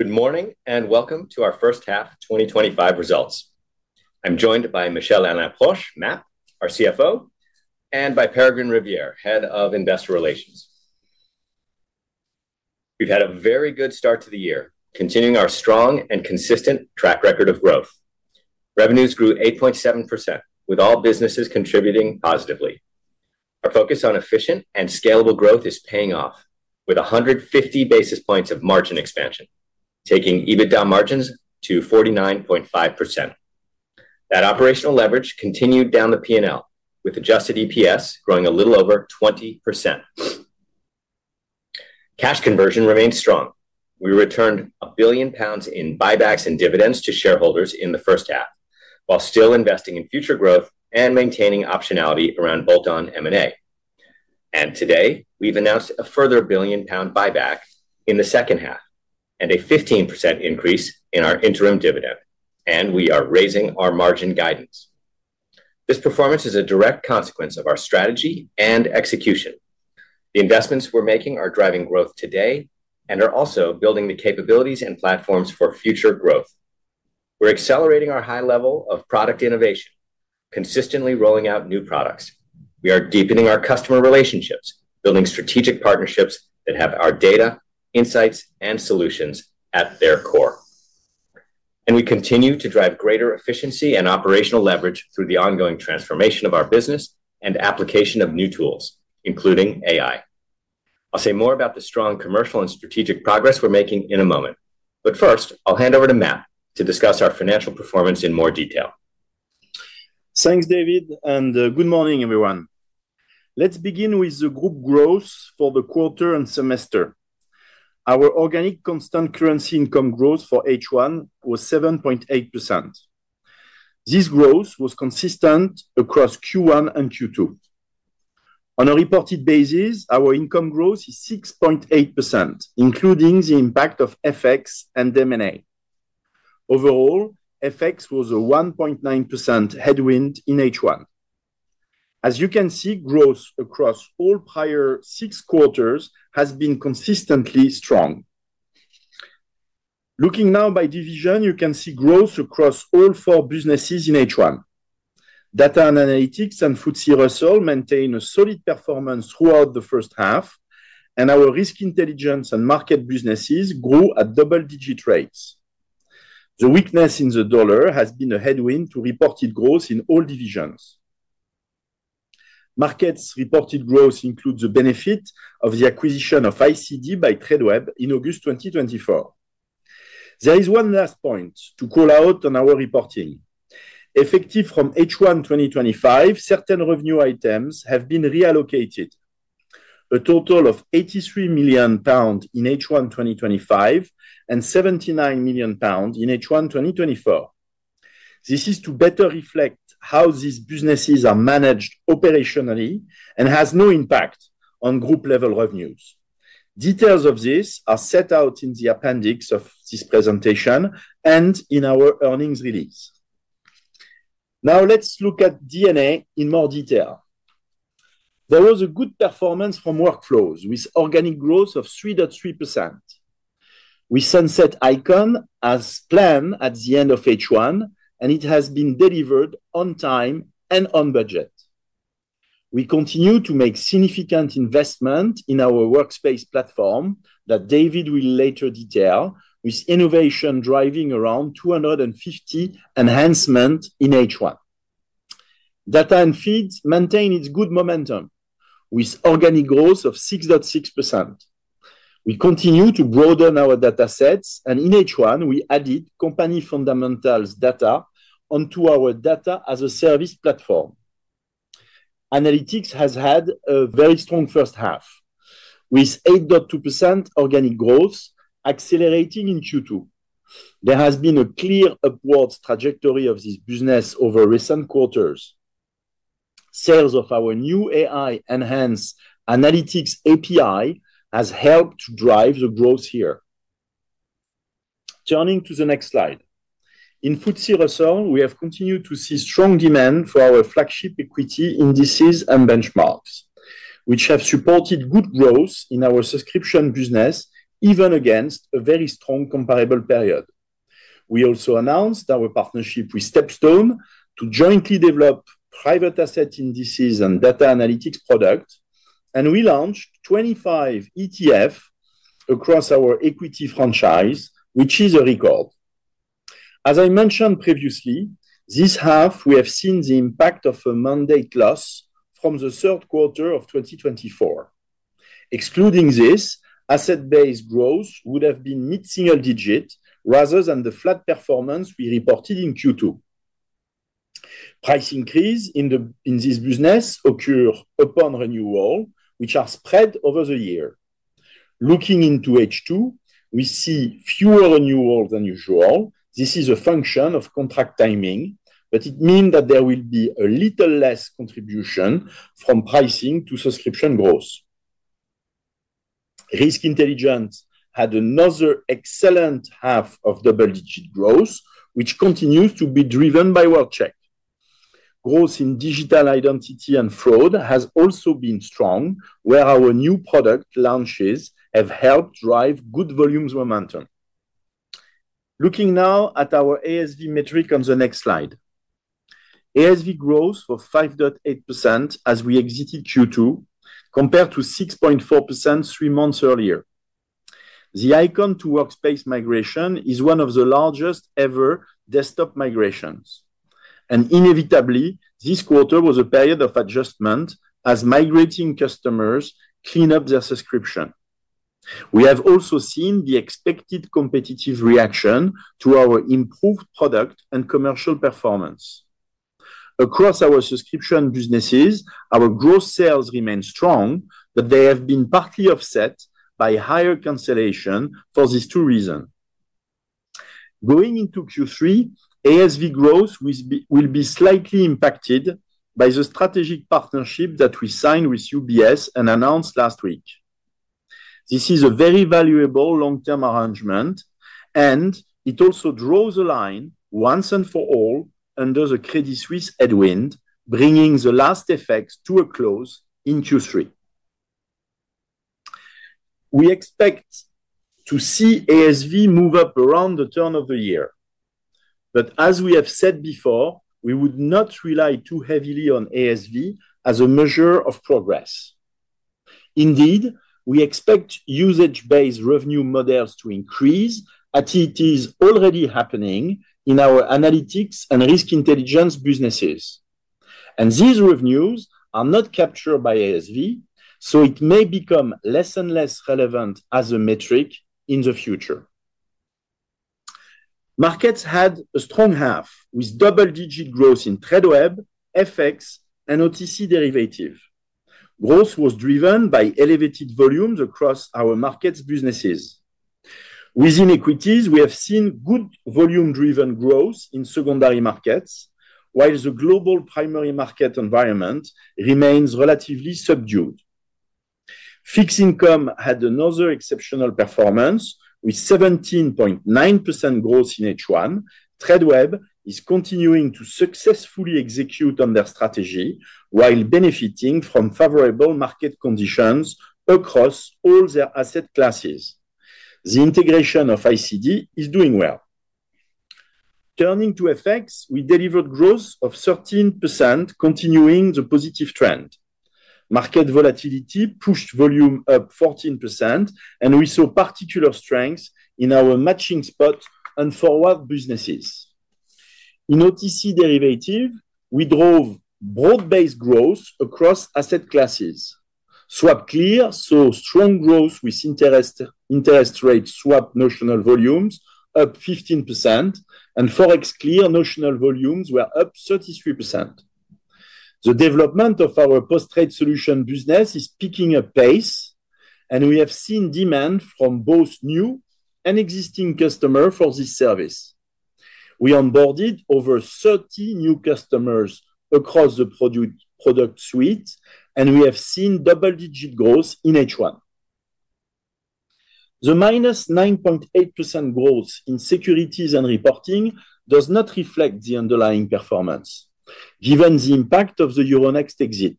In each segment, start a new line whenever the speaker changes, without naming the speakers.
Good morning and welcome to our first half 2025 results. I'm joined by Michel-Alain Proch, MAP, our CFO, and by Peregrine Riviere, Head of Investor Relations. We've had a very good start to the year, continuing our strong and consistent track record of growth. Revenues grew 8.7%, with all businesses contributing positively. Our focus on efficient and scalable growth is paying off, with 150 basis points of margin expansion, taking EBITDA margins to 49.5%. That operational leverage continued down the P&L, with adjusted EPS growing a little over 20%. Cash conversion remained strong. We returned 1 billion pounds in buybacks and dividends to shareholders in the first half, while still investing in future growth and maintaining optionality around bolt-on M&A. Today, we've announced a further 1 billion pound buyback in the second half and a 15% increase in our interim dividend, and we are raising our margin guidance. This performance is a direct consequence of our strategy and execution. The investments we're making are driving growth today and are also building the capabilities and platforms for future growth. We're accelerating our high level of product innovation, consistently rolling out new products. We are deepening our customer relationships, building strategic partnerships that have our data, insights, and solutions at their core. We continue to drive greater efficiency and operational leverage through the ongoing transformation of our business and application of new tools, including AI. I'll say more about the strong commercial and strategic progress we're making in a moment, but first, I'll hand over to MAP to discuss our financial performance in more detail.
Thanks, David, and good morning, everyone. Let's begin with the group growth for the quarter and semester. Our organic constant currency income growth for H1 was 7.8%. This growth was consistent across Q1 and Q2. On a reported basis, our income growth is 6.8%, including the impact of FX and M&A. Overall, FX was a 1.9% headwind in H1. As you can see, growth across all prior six quarters has been consistently strong. Looking now by division, you can see growth across all four businesses in H1. Data & analytics and FTSE Russell maintain a solid performance throughout the first half, and our Risk Intelligence and market businesses grew at double-digit rates. The weakness in the dollar has been a headwind to reported growth in all divisions. Markets' reported growth includes the benefit of the acquisition of ICD by Tradeweb in August 2024. There is one last point to call out on our reporting. Effective from H1 2025, certain revenue items have been reallocated. A total of 83 million pounds in H1 2025 and 79 million pounds in H1 2024. This is to better reflect how these businesses are managed operationally and has no impact on group-level revenues. Details of this are set out in the appendix of this presentation and in our earnings release. Now, let's look at D&A in more detail. There was a good performance from workflows, with organic growth of 3.3%. We sunset ICON as planned at the end of H1, and it has been delivered on time and on budget. We continue to make significant investment in our Workspace platform that David will later detail, with innovation driving around 250 enhancements in H1. Data and feeds maintain its good momentum, with organic growth of 6.6%. We continue to broaden our data sets, and in H1, we added company fundamentals data onto our data-as-a-service platform. Analytics has had a very strong first half, with 8.2% organic growth accelerating in Q2. There has been a clear upward trajectory of this business over recent quarters. Sales of our new AI-driven analytics APIs has helped to drive the growth here. Turning to the next slide. In FTSE Russell, we have continued to see strong demand for our flagship equity indices and benchmarks, which have supported good growth in our Subscription business, even against a very strong comparable period. We also announced our partnership with Stepstone to jointly develop private asset indices and data analytics products, and we launched 25 ETFs across our equity franchise, which is a record. As I mentioned previously, this half, we have seen the impact of a Monday plus from the third quarter of 2024. Excluding this, asset-based growth would have been mid-single digit rather than the flat performance we reported in Q2. Price increases in this business occur upon renewal, which are spread over the year. Looking into H2, we see fewer renewals than usual. This is a function of contract timing, but it means that there will be a little less contribution from pricing to Subscription growth. Risk Intelligence had another excellent half of double-digit growth, which continues to be driven by World-Check. Growth in digital identity and fraud has also been strong, where our new product launches have helped drive good volumes momentum. Looking now at our ASV metric on the next slide. ASV growth was 5.8% as we exited Q2, compared to 6.4% three months earlier. The ICON to Workspace migration is one of the largest-ever Desktop migrations. Inevitably, this quarter was a period of adjustment as migrating customers clean up their Subscription. We have also seen the expected competitive reaction to our improved product and commercial performance. Across our Subscription businesses, our gross sales remain strong, but they have been partly offset by higher cancellation for these two reasons. Going into Q3, ASV growth will be slightly impacted by the strategic partnership that we signed with UBS and announced last week. This is a very valuable long-term arrangement, and it also draws a line once and for all under the Credit Suisse headwind, bringing the last effects to a close in Q3. We expect to see ASV move up around the turn of the year, but as we have said before, we would not rely too heavily on ASV as a measure of progress. Indeed, we expect usage-based revenue models to increase, as it is already happening in our analytics and Risk Intelligence businesses. These revenues are not captured by ASV, so it may become less and less relevant as a metric in the future. Markets had a strong half with double-digit growth in Tradeweb, FX, and OTC derivatives. Growth was driven by elevated volumes across our markets' businesses. Within equities, we have seen good volume-driven growth in secondary markets, while the global primary market environment remains relatively subdued. Fixed income had another exceptional performance with 17.9% growth in H1. Tradeweb is continuing to successfully execute on their strategy, while benefiting from favorable market conditions across all their asset classes. The integration of ICD is doing well. Turning to FX, we delivered growth of 13%, continuing the positive trend. Market volatility pushed volume up 14%, and we saw particular strengths in our matching spot and forward businesses. In OTC derivatives, we drove broad-based growth across asset classes. SwapClear saw strong growth with interest rate swap notional volumes up 15%, and ForexClear notional volumes were up 33%. The development of our Post Trade Solutions business is picking up pace, and we have seen demand from both new and existing customers for this service. We onboarded over 30 new customers across the product suite, and we have seen double-digit growth in H1. The -9.8% growth in securities and reporting does not reflect the underlying performance, given the impact of the Euronext exit,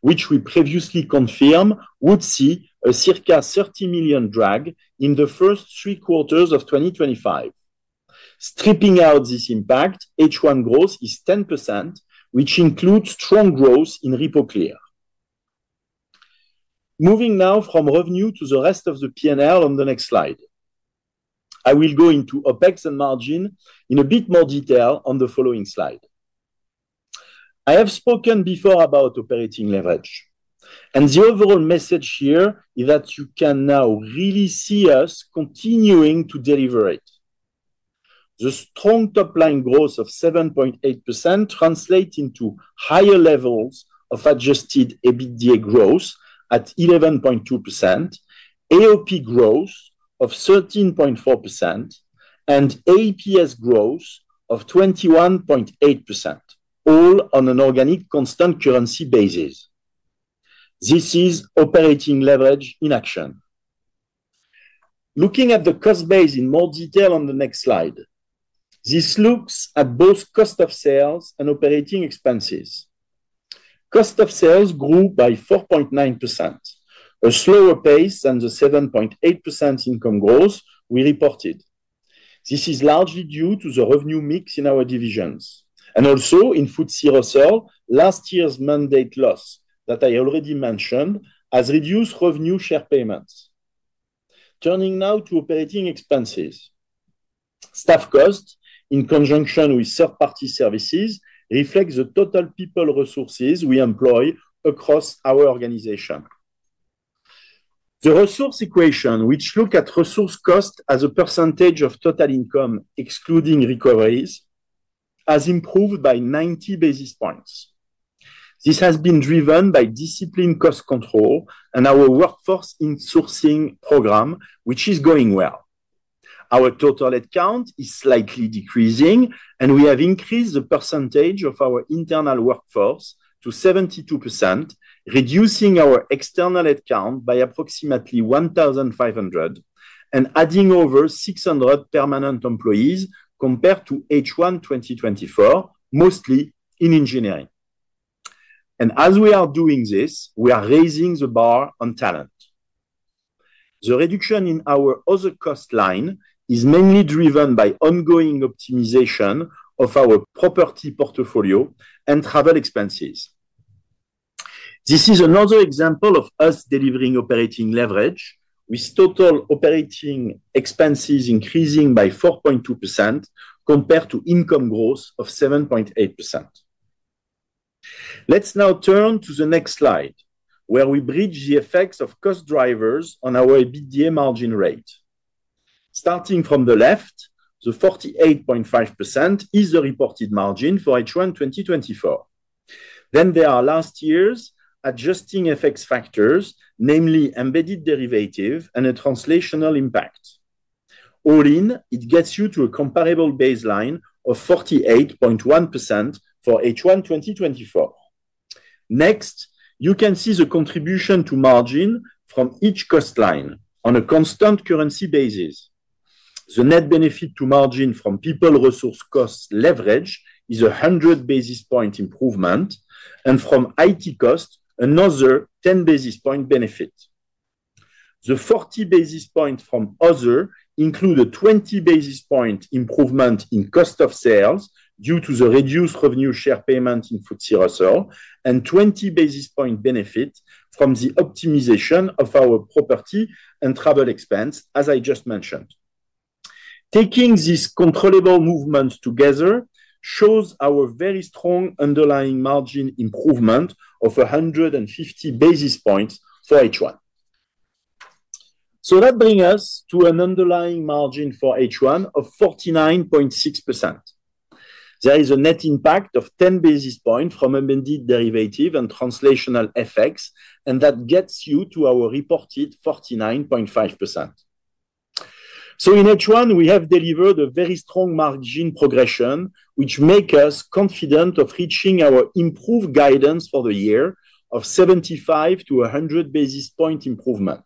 which we previously confirmed would see a circa $30 million drag in the first three quarters of 2025. Stripping out this impact, H1 growth is 10%, which includes strong growth in RepoClear. Moving now from revenue to the rest of the P&L on the next slide. I will go into OpEx and margin in a bit more detail on the following slide. I have spoken before about operating leverage, and the overall message here is that you can now really see us continuing to deliver it. The strong top-line growth of 7.8% translates into higher levels of adjusted EBITDA growth at 11.2%. AOP growth of 13.4%, and EPS growth of 21.8%, all on an organic constant currency basis. This is operating leverage in action. Looking at the cost base in more detail on the next slide, this looks at both cost of sales and operating expenses. Cost of sales grew by 4.9%, a slower pace than the 7.8% income growth we reported. This is largely due to the revenue mix in our divisions and also in FTSE Russell. Last year's Monday plus that I already mentioned has reduced revenue share payments. Turning now to operating expenses. Staff cost, in conjunction with third-party services, reflects the total people resources we employ across our organization. The resource equation, which looks at resource cost as a percentage of total income excluding recoveries, has improved by 90 basis points. This has been driven by disciplined cost control and our workforce in-sourcing program, which is going well. Our total headcount is slightly decreasing, and we have increased the percentage of our internal workforce to 72%, reducing our external headcount by approximately 1,500 and adding over 600 permanent employees compared to H1 2024, mostly in engineering. As we are doing this, we are raising the bar on talent. The reduction in our other cost line is mainly driven by ongoing optimization of our property portfolio and travel expenses. This is another example of us delivering operating leverage, with total operating expenses increasing by 4.2% compared to income growth of 7.8%. Let's now turn to the next slide, where we bridge the effects of cost drivers on our EBITDA margin rate. Starting from the left, the 48.5% is the reported margin for H1 2024. There are last year's adjusting FX factors, namely embedded derivative and a translational impact. All in, it gets you to a comparable baseline of 48.1% for H1 2024. Next, you can see the contribution to margin from each cost line on a constant currency basis. The net benefit to margin from people resource cost leverage is a 100 basis point improvement, and from IT cost, another 10 basis point benefit. The 40 basis point from other include a 20 basis point improvement in cost of sales due to the reduced revenue share payment in FTSE Russell and 20 basis point benefit from the optimization of our property and travel expense, as I just mentioned. Taking these controllable movements together shows our very strong underlying margin improvement of 150 basis points for H1. That brings us to an underlying margin for H1 of 49.6%. There is a net impact of 10 basis points from embedded derivative and translational FX, and that gets you to our reported 49.5%. In H1, we have delivered a very strong margin progression, which makes us confident of reaching our improved guidance for the year of 75 basis point-100 basis point improvement.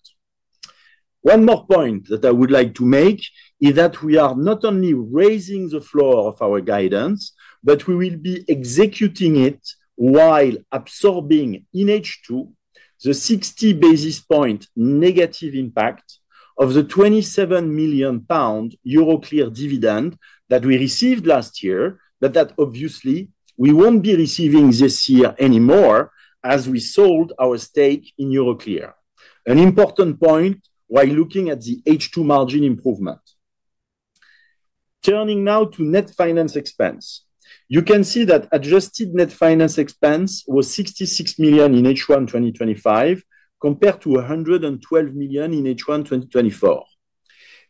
One more point that I would like to make is that we are not only raising the floor of our guidance, but we will be executing it while absorbing in H2 the 60 basis point negative impact of the 27 million pound Euroclear dividend that we received last year, but that obviously we won't be receiving this year anymore as we sold our stake in Euroclear. An important point while looking at the H2 margin improvement. Turning now to net finance expense, you can see that adjusted net finance expense was 66 million in H1 2025 compared to 112 million in H1 2024.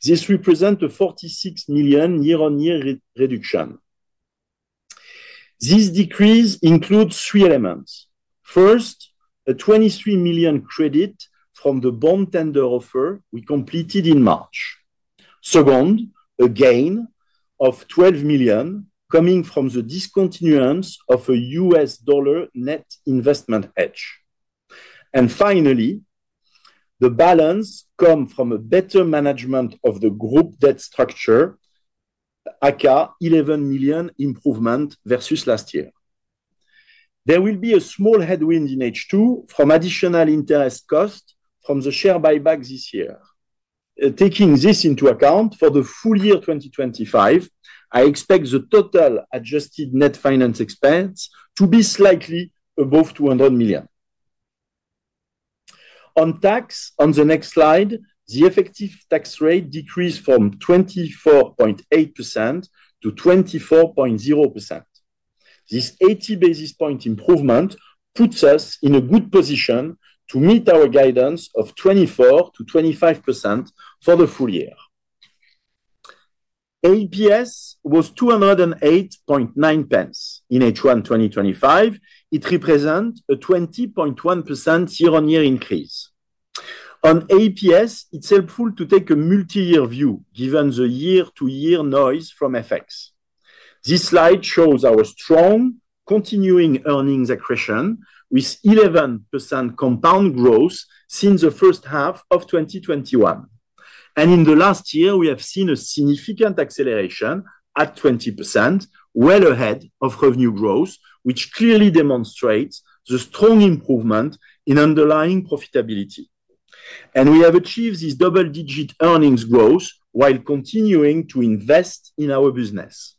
This represents a 46 million year-on-year reduction. This decrease includes three elements. First, a 23 million credit from the bond tender offer we completed in March. Second, a gain of 12 million coming from the discontinuance of a U.S. dollar net investment hedge. Finally, the balance comes from a better management of the group debt structure, aka 11 million improvement versus last year. There will be a small headwind in H2 from additional interest cost from the share buyback this year. Taking this into account for the full year 2025, I expect the total adjusted net finance expense to be slightly above 200 million. On tax, on the next slide, the effective tax rate decreased from 24.8%-24.0%. This 80 basis point improvement puts us in a good position to meet our guidance of 24%-25% for the full year. EPS was 208.9 in H1 2025. It represents a 20.1% year-on-year increase. On EPS, it's helpful to take a multi-year view given the year-to-year noise from FX. This slide shows our strong continuing earnings accretion with 11% compound growth since the first half of 2021. In the last year, we have seen a significant acceleration at 20%, well ahead of revenue growth, which clearly demonstrates the strong improvement in underlying profitability. We have achieved this double-digit earnings growth while continuing to invest in our business.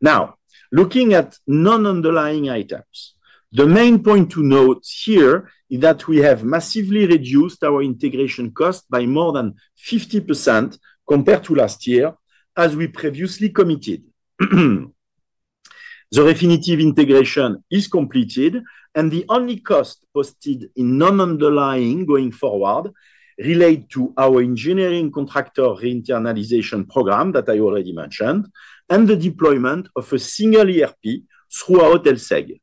Now, looking at non-underlying items, the main point to note here is that we have massively reduced our integration cost by more than 50% compared to last year, as we previously committed. The definitive integration is completed, and the only cost posted in non-underlying going forward relates to our engineering contractor re-internalization program that I already mentioned and the deployment of a single ERP throughout LSEG.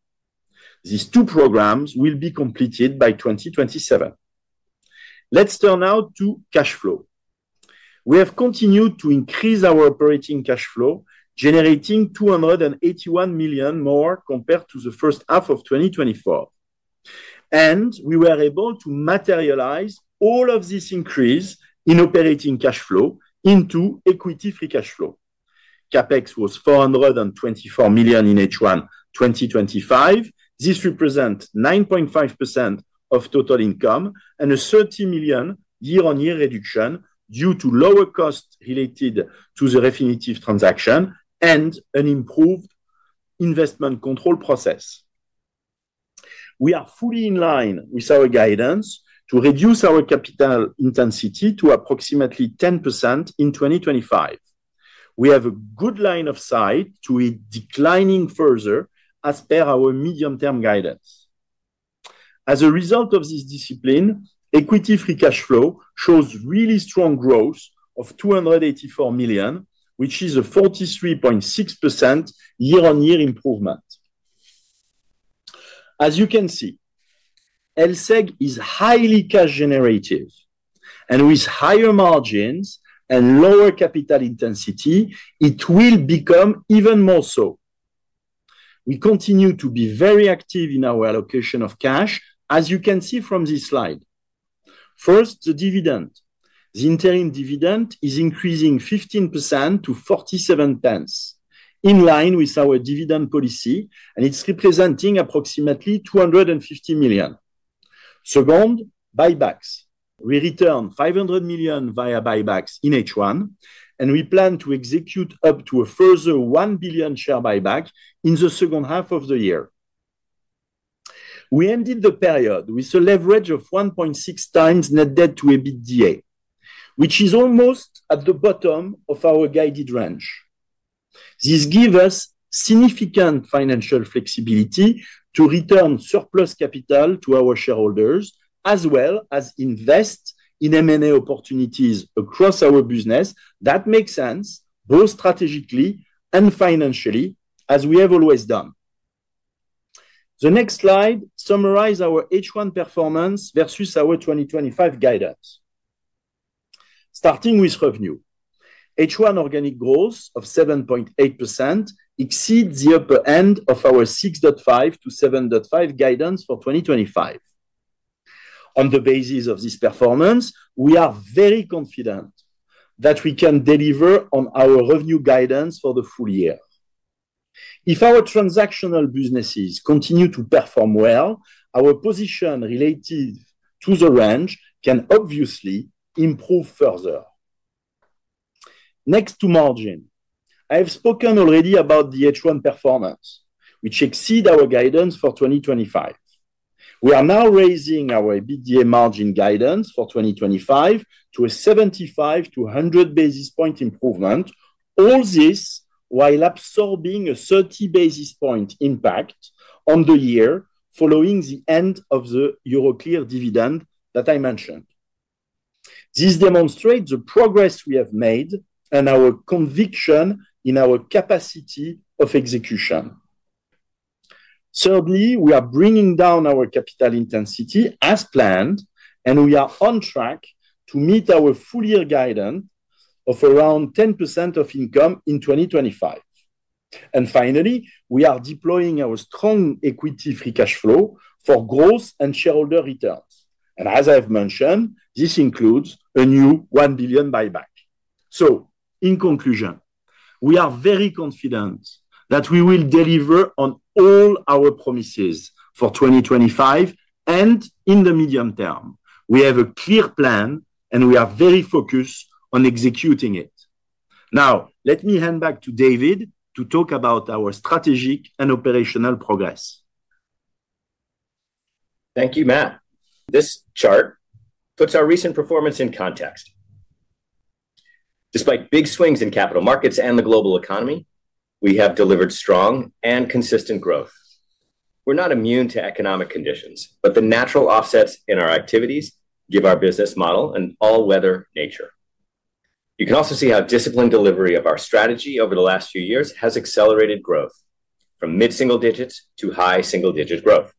These two programs will be completed by 2027. Let's turn now to cash flow. We have continued to increase our operating cash flow, generating 281 million more compared to the first half of 2024. We were able to materialize all of this increase in operating cash flow into equity-free cash flow. CapEx was 424 million in H1 2025. This represents 9.5% of total income and a 30 million year-on-year reduction due to lower costs related to the definitive transaction and an improved investment control process. We are fully in line with our guidance to reduce our capital intensity to approximately 10% in 2025. We have a good line of sight to it declining further as per our medium-term guidance. As a result of this discipline, equity-free cash flow shows really strong growth of 284 million, which is a 43.6% year-on-year improvement. As you can see, LSEG is highly cash-generative, and with higher margins and lower capital intensity, it will become even more so. We continue to be very active in our allocation of cash, as you can see from this slide. First, the dividend. The interim dividend is increasing 15% to 0.47, in line with our dividend policy, and it's representing approximately 250 million. Second, buybacks. We returned 500 million via buybacks in H1, and we plan to execute up to a further 1 billion share buyback in the second half of the year. We ended the period with a leverage of 1.6 times net debt to EBITDA, which is almost at the bottom of our guided range. This gives us significant financial flexibility to return surplus capital to our shareholders, as well as invest in M&A opportunities across our business that make sense both strategically and financially, as we have always done. The next slide summarizes our H1 performance versus our 2025 guidance. Starting with revenue, H1 organic growth of 7.8% exceeds the upper end of our 6.5%-7.5% guidance for 2025. On the basis of this performance, we are very confident that we can deliver on our revenue guidance for the full year. If our transactional businesses continue to perform well, our position related to the range can obviously improve further. Next to margin, I have spoken already about the H1 performance, which exceeds our guidance for 2025. We are now raising our EBITDA margin guidance for 2025 to a 75 basis point-100 basis point improvement, all this while absorbing a 30 basis point impact on the year following the end of the Euroclear dividend that I mentioned. This demonstrates the progress we have made and our conviction in our capacity of execution. Thirdly, we are bringing down our capital intensity as planned, and we are on track to meet our full-year guidance of around 10% of income in 2025. Finally, we are deploying our strong equity-free cash flow for growth and shareholder returns. As I've mentioned, this includes a new 1 billion buyback. In conclusion, we are very confident that we will deliver on all our promises for 2025 and in the medium term. We have a clear plan, and we are very focused on executing it. Now, let me hand back to David to talk about our strategic and operational progress.
Thank you, Map. This chart puts our recent performance in context. Despite big swings in capital markets and the global economy, we have delivered strong and consistent growth. We're not immune to economic conditions, but the natural offsets in our activities give our business model an all-weather nature. You can also see how disciplined delivery of our strategy over the last few years has accelerated growth from mid-single digits to high single-digit growth.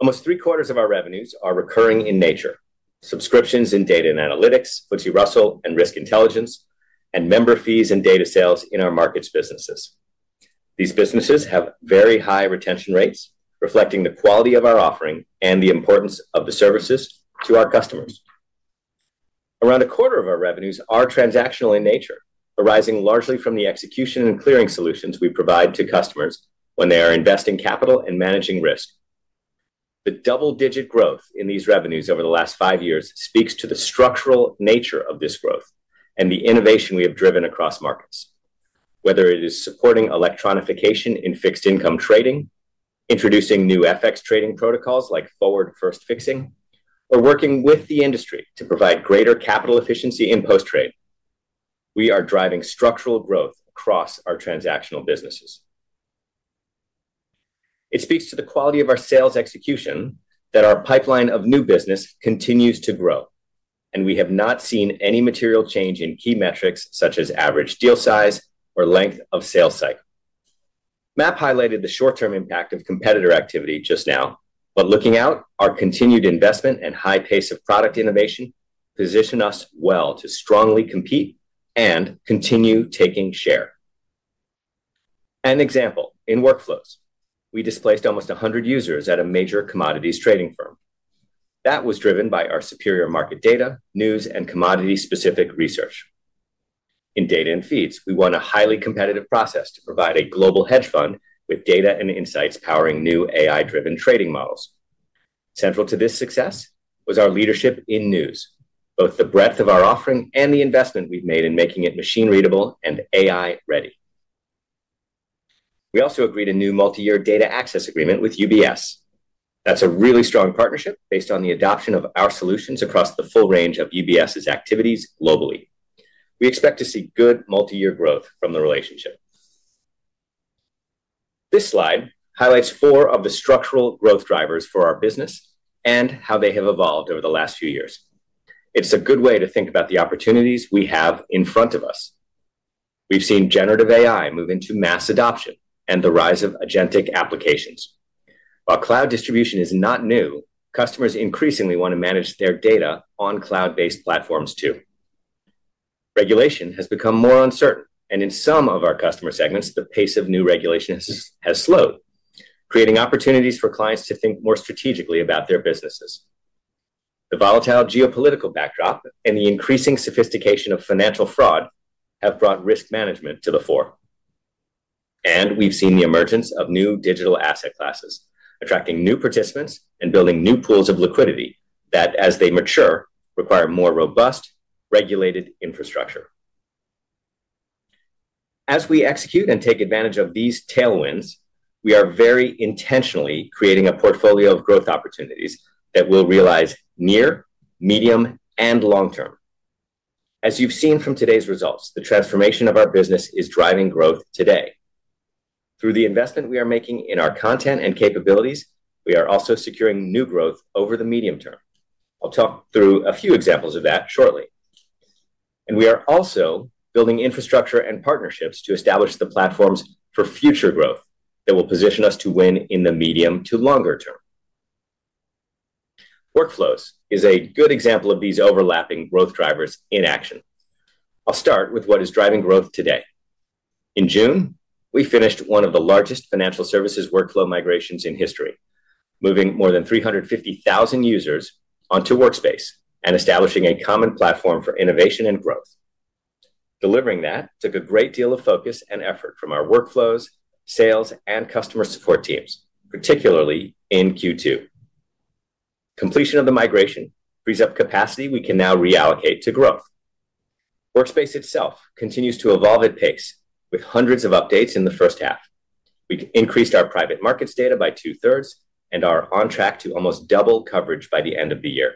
Almost three-quarters of our revenues are recurring in nature: Subscriptions in data & analytics, FTSE Russell and Risk Intelligence, and member fees and data sales in our markets businesses. These businesses have very high retention rates, reflecting the quality of our offering and the importance of the services to our customers. Around a quarter of our revenues are transactional in nature, arising largely from the execution and clearing solutions we provide to customers when they are investing capital and managing risk. The double-digit growth in these revenues over the last five years speaks to the structural nature of this growth and the innovation we have driven across markets. Whether it is supporting electronification in fixed-income trading, introducing new FX trading protocols like forward-first fixing, or working with the industry to provide greater capital efficiency in post-trade, we are driving structural growth across our transactional businesses. It speaks to the quality of our sales execution that our pipeline of new business continues to grow, and we have not seen any material change in key metrics such as average deal size or length of sales cycle. MAP highlighted the short-term impact of competitor activity just now, but looking out, our continued investment and high pace of product innovation position us well to strongly compete and continue taking share. An example in workflows: we displaced almost 100 users at a major commodities trading firm. That was driven by our superior market data, news, and commodity-specific research. In data and feeds, we won a highly competitive process to provide a global hedge fund with data and insights powering new AI-driven trading models. Central to this success was our leadership in news, both the breadth of our offering and the investment we've made in making it machine-readable and AI-ready. We also agreed a new multi-year data access agreement with UBS. That's a really strong partnership based on the adoption of our solutions across the full range of UBS's activities globally. We expect to see good multi-year growth from the relationship. This slide highlights four of the structural growth drivers for our business and how they have evolved over the last few years. It's a good way to think about the opportunities we have in front of us. We've seen generative AI move into mass adoption and the rise of agentic applications. While cloud distribution is not new, customers increasingly want to manage their data on cloud-based platforms too. Regulation has become more uncertain, and in some of our customer segments, the pace of new regulation has slowed, creating opportunities for clients to think more strategically about their businesses. The volatile geopolitical backdrop and the increasing sophistication of financial fraud have brought risk management to the fore. We've seen the emergence of new digital asset classes, attracting new participants and building new pools of liquidity that, as they mature, require more robust regulated infrastructure. As we execute and take advantage of these tailwinds, we are very intentionally creating a portfolio of growth opportunities that we'll realize near, medium, and long term. As you've seen from today's results, the transformation of our business is driving growth today. Through the investment we are making in our content and capabilities, we are also securing new growth over the medium term. I'll talk through a few examples of that shortly. We are also building infrastructure and partnerships to establish the platforms for future growth that will position us to win in the medium to longer term. Workflows is a good example of these overlapping growth drivers in action. I'll start with what is driving growth today. In June, we finished one of the largest financial services workflow migrations in history, moving more than 350,000 users onto Workspace and establishing a common platform for innovation and growth. Delivering that took a great deal of focus and effort from our workflows, sales, and customer support teams, particularly in Q2. Completion of the migration frees up capacity we can now reallocate to growth. Workspace itself continues to evolve at pace, with hundreds of updates in the first half. We increased our private markets data by two-thirds and are on track to almost double coverage by the end of the year.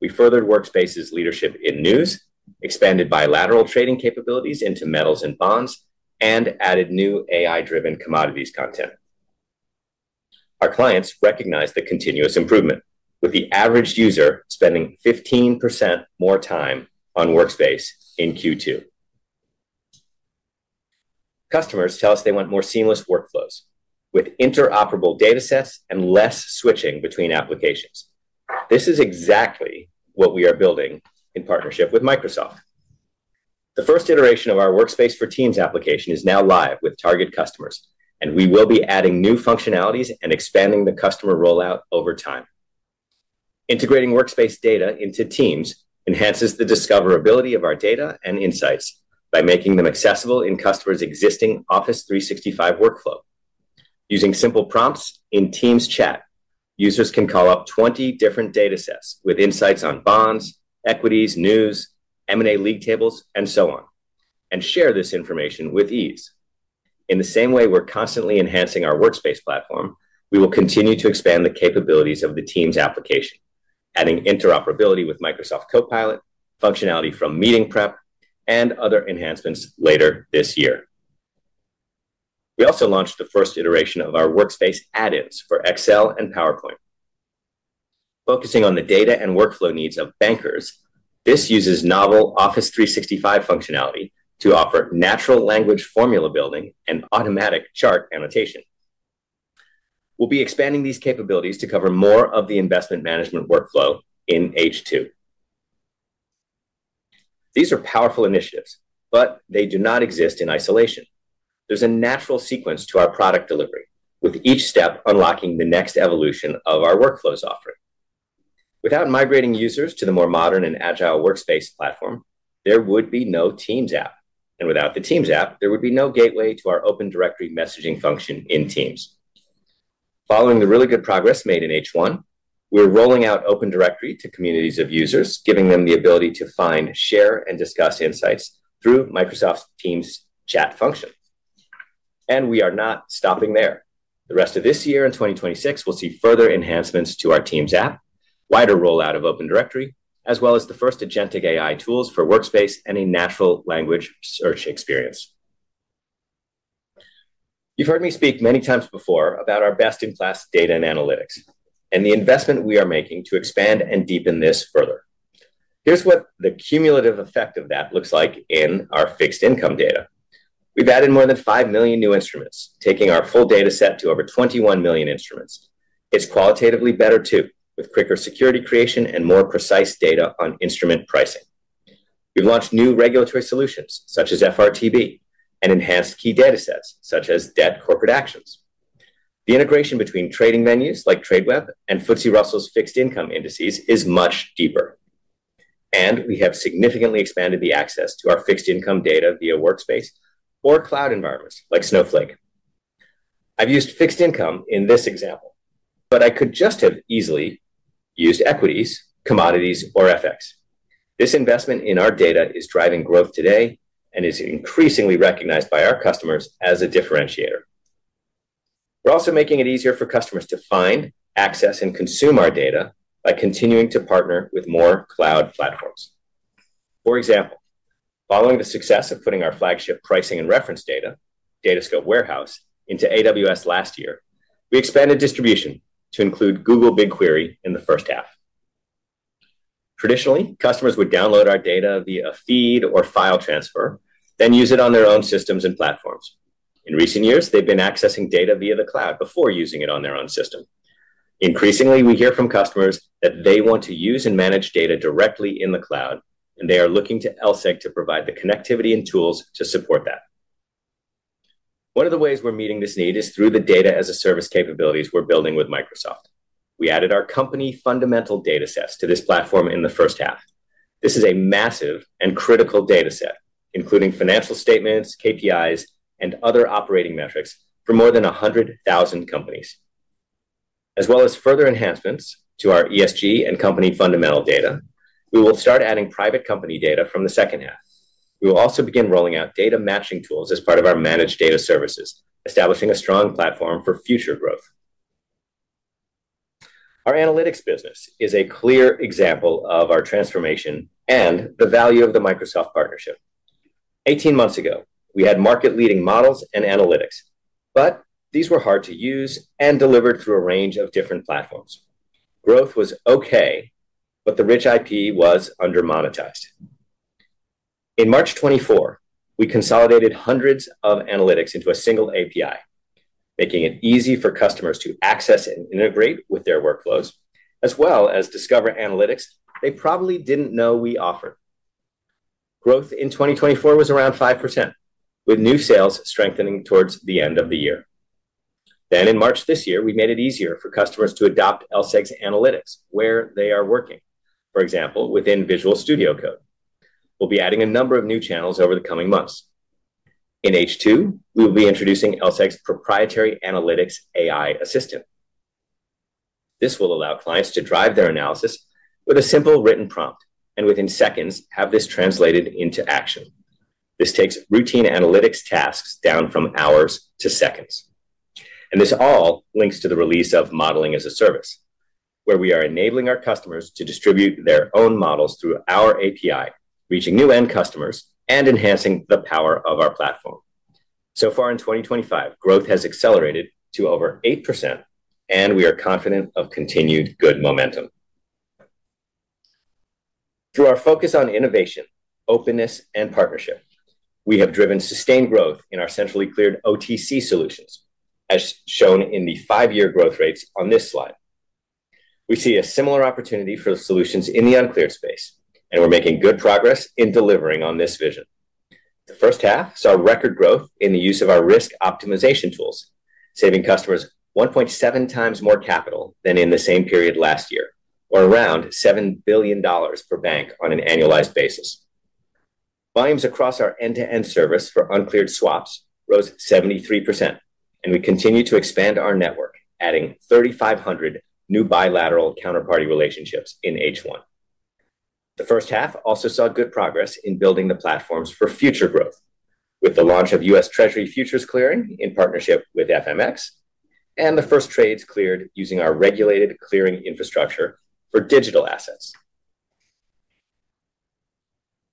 We furthered Workspace's leadership in news, expanded bilateral trading capabilities into metals and bonds, and added new AI-driven commodities content. Our clients recognize the continuous improvement, with the average user spending 15% more time on Workspace in Q2. Customers tell us they want more seamless workflows with interoperable datasets and less switching between applications. This is exactly what we are building in partnership with Microsoft. The first iteration of our Workspace for Teams application is now live with target customers, and we will be adding new functionalities and expanding the customer rollout over time. Integrating Workspace data into Teams enhances the discoverability of our data and insights by making them accessible in customers' existing Office 365 workflow. Using simple prompts in Teams chat, users can call up 20 different datasets with insights on bonds, equities, news, M&A league tables, and so on, and share this information with ease. In the same way we're constantly enhancing our Workspace platform, we will continue to expand the capabilities of the Teams application, adding interoperability with Microsoft Copilot, functionality from Meeting Prep, and other enhancements later this year. We also launched the first iteration of our Workspace add-ins for Excel and PowerPoint. Focusing on the data and workflow needs of bankers, this uses novel Office 365 functionality to offer natural language formula building and automatic chart annotation. We'll be expanding these capabilities to cover more of the investment management workflow in H2. These are powerful initiatives, but they do not exist in isolation. There's a natural sequence to our product delivery, with each step unlocking the next evolution of our workflows offering. Without migrating users to the more modern and agile Workspace platform, there would be no Teams app. Without the Teams app, there would be no gateway to our Open Directory messaging function in Teams. Following the really good progress made in H1, we're rolling out Open Directory to communities of users, giving them the ability to find, share, and discuss insights through Microsoft Teams chat function. We are not stopping there. The rest of this year and 2026 will see further enhancements to our Teams app, wider rollout of Open Directory, as well as the first agentic AI tools for Workspace and a natural language search experience. You've heard me speak many times before about our best-in-class data & analytics and the investment we are making to expand and deepen this further. Here's what the cumulative effect of that looks like in our fixed-income data. We've added more than 5 million new instruments, taking our full dataset to over 21 million instruments. It's qualitatively better too, with quicker security creation and more precise data on instrument pricing. We've launched new regulatory solutions such as FRTB and enhanced key datasets such as debt corporate actions. The integration between trading venues like Tradeweb and FTSE Russell's fixed-income indices is much deeper. We have significantly expanded the access to our fixed-income data via Workspace or cloud environments like Snowflake. I've used fixed income in this example, but I could just as easily have used equities, commodities, or FX. This investment in our data is driving growth today and is increasingly recognized by our customers as a differentiator. We're also making it easier for customers to find, access, and consume our data by continuing to partner with more cloud platforms. For example, following the success of putting our flagship pricing and reference data, DataScope Warehouse, into AWS last year, we expanded distribution to include Google BigQuery in the first half. Traditionally, customers would download our data via a feed or file transfer, then use it on their own systems and platforms. In recent years, they've been accessing data via the cloud before using it on their own system. Increasingly, we hear from customers that they want to use and manage data directly in the cloud, and they are looking to LSEG to provide the connectivity and tools to support that. One of the ways we're meeting this need is through the data as a service capabilities we're building with Microsoft. We added our company fundamental datasets to this platform in the first half. This is a massive and critical dataset, including financial statements, KPIs, and other operating metrics for more than 100,000 companies. As well as further enhancements to our ESG and company fundamental data, we will start adding private company data from the second half. We will also begin rolling out data matching tools as part of our managed data services, establishing a strong platform for future growth. Our analytics business is a clear example of our transformation and the value of the Microsoft partnership. Eighteen months ago, we had market-leading models and analytics, but these were hard to use and delivered through a range of different platforms. Growth was okay, but the rich IP was under-monetized. In March 2024, we consolidated hundreds of analytics into a single API, making it easy for customers to access and integrate with their workflows, as well as discover analytics they probably didn't know we offered. Growth in 2024 was around 5%, with new sales strengthening towards the end of the year. In March this year, we made it easier for customers to adopt LSEG's analytics where they are working, for example, within Visual Studio Code. We'll be adding a number of new channels over the coming months. In H2, we will be introducing LSEG's proprietary analytics AI assistant. This will allow clients to drive their analysis with a simple written prompt and, within seconds, have this translated into action. This takes routine analytics tasks down from hours to seconds. This all links to the release of modeling as a service, where we are enabling our customers to distribute their own models through our API, reaching new end customers and enhancing the power of our platform. So far in 2025, growth has accelerated to over 8%, and we are confident of continued good momentum. Through our focus on innovation, openness, and partnership, we have driven sustained growth in our centrally cleared OTC derivatives solutions, as shown in the five-year growth rates on this slide. We see a similar opportunity for the solutions in the uncleared space, and we're making good progress in delivering on this vision. The first half saw record growth in the use of our risk optimization tools, saving customers 1.7 times more capital than in the same period last year, or around $7 billion per bank on an annualized basis. Volumes across our end-to-end service for uncleared swaps rose 73%, and we continue to expand our network, adding 3,500 new bilateral counterparty relationships in H1. The first half also saw good progress in building the platforms for future growth, with the launch of U.S. Treasury futures clearing in partnership with FMX and the first trades cleared using our regulated clearing infrastructure for digital assets.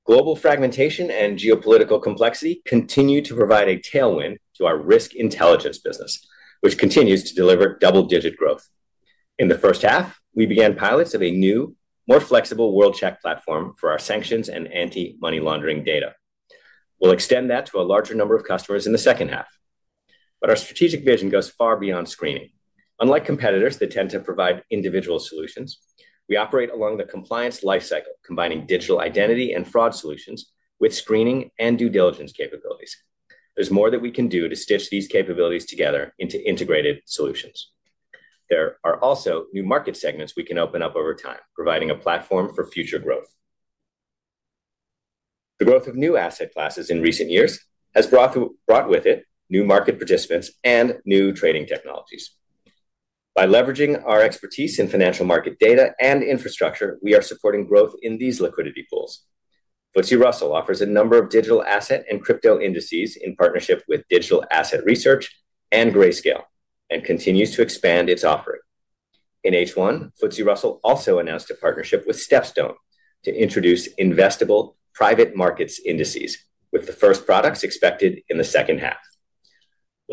Global fragmentation and geopolitical complexity continue to provide a tailwind to our Risk Intelligence business, which continues to deliver double-digit growth. In the first half, we began pilots of a new, more flexible World-Check platform for our sanctions and anti-money laundering data. We'll extend that to a larger number of customers in the second half. Our strategic vision goes far beyond screening. Unlike competitors that tend to provide individual solutions, we operate along the compliance lifecycle, combining digital identity and fraud solutions with screening and due diligence capabilities. There is more that we can do to stitch these capabilities together into integrated solutions. There are also new market segments we can open up over time, providing a platform for future growth. The growth of new asset classes in recent years has brought with it new market participants and new trading technologies. By leveraging our expertise in financial market data and infrastructure, we are supporting growth in these liquidity pools. FTSE Russell offers a number of digital asset and crypto indices in partnership with Digital Asset Research and Grayscale and continues to expand its offering. In H1, FTSE Russell also announced a partnership with Stepstone to introduce investable private markets indices, with the first products expected in the second half.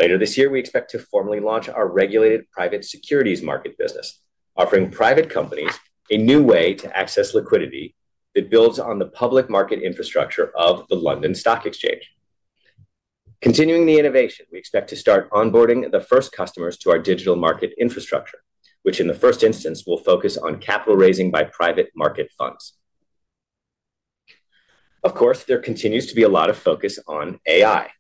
Later this year, we expect to formally launch our regulated private securities market business, offering private companies a new way to access liquidity that builds on the public market infrastructure of the London Stock Exchange. Continuing the innovation, we expect to start onboarding the first customers to our digital market infrastructure, which, in the first instance, will focus on capital raising by private market funds. Of course, there continues to be a lot of focus on AI.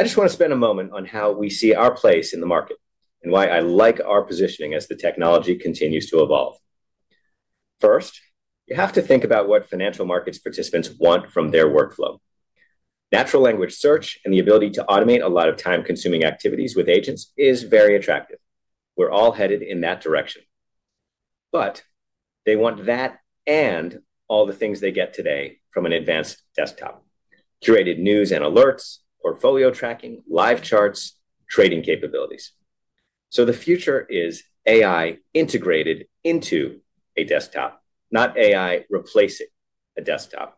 I just want to spend a moment on how we see our place in the market and why I like our positioning as the technology continues to evolve. First, you have to think about what financial markets participants want from their workflow. Natural language search and the ability to automate a lot of time-consuming activities with agents is very attractive. We are all headed in that direction. They want that and all the things they get today from an advanced desktop: curated news and alerts, portfolio tracking, live charts, trading capabilities. The future is AI integrated into a desktop, not AI replacing a desktop.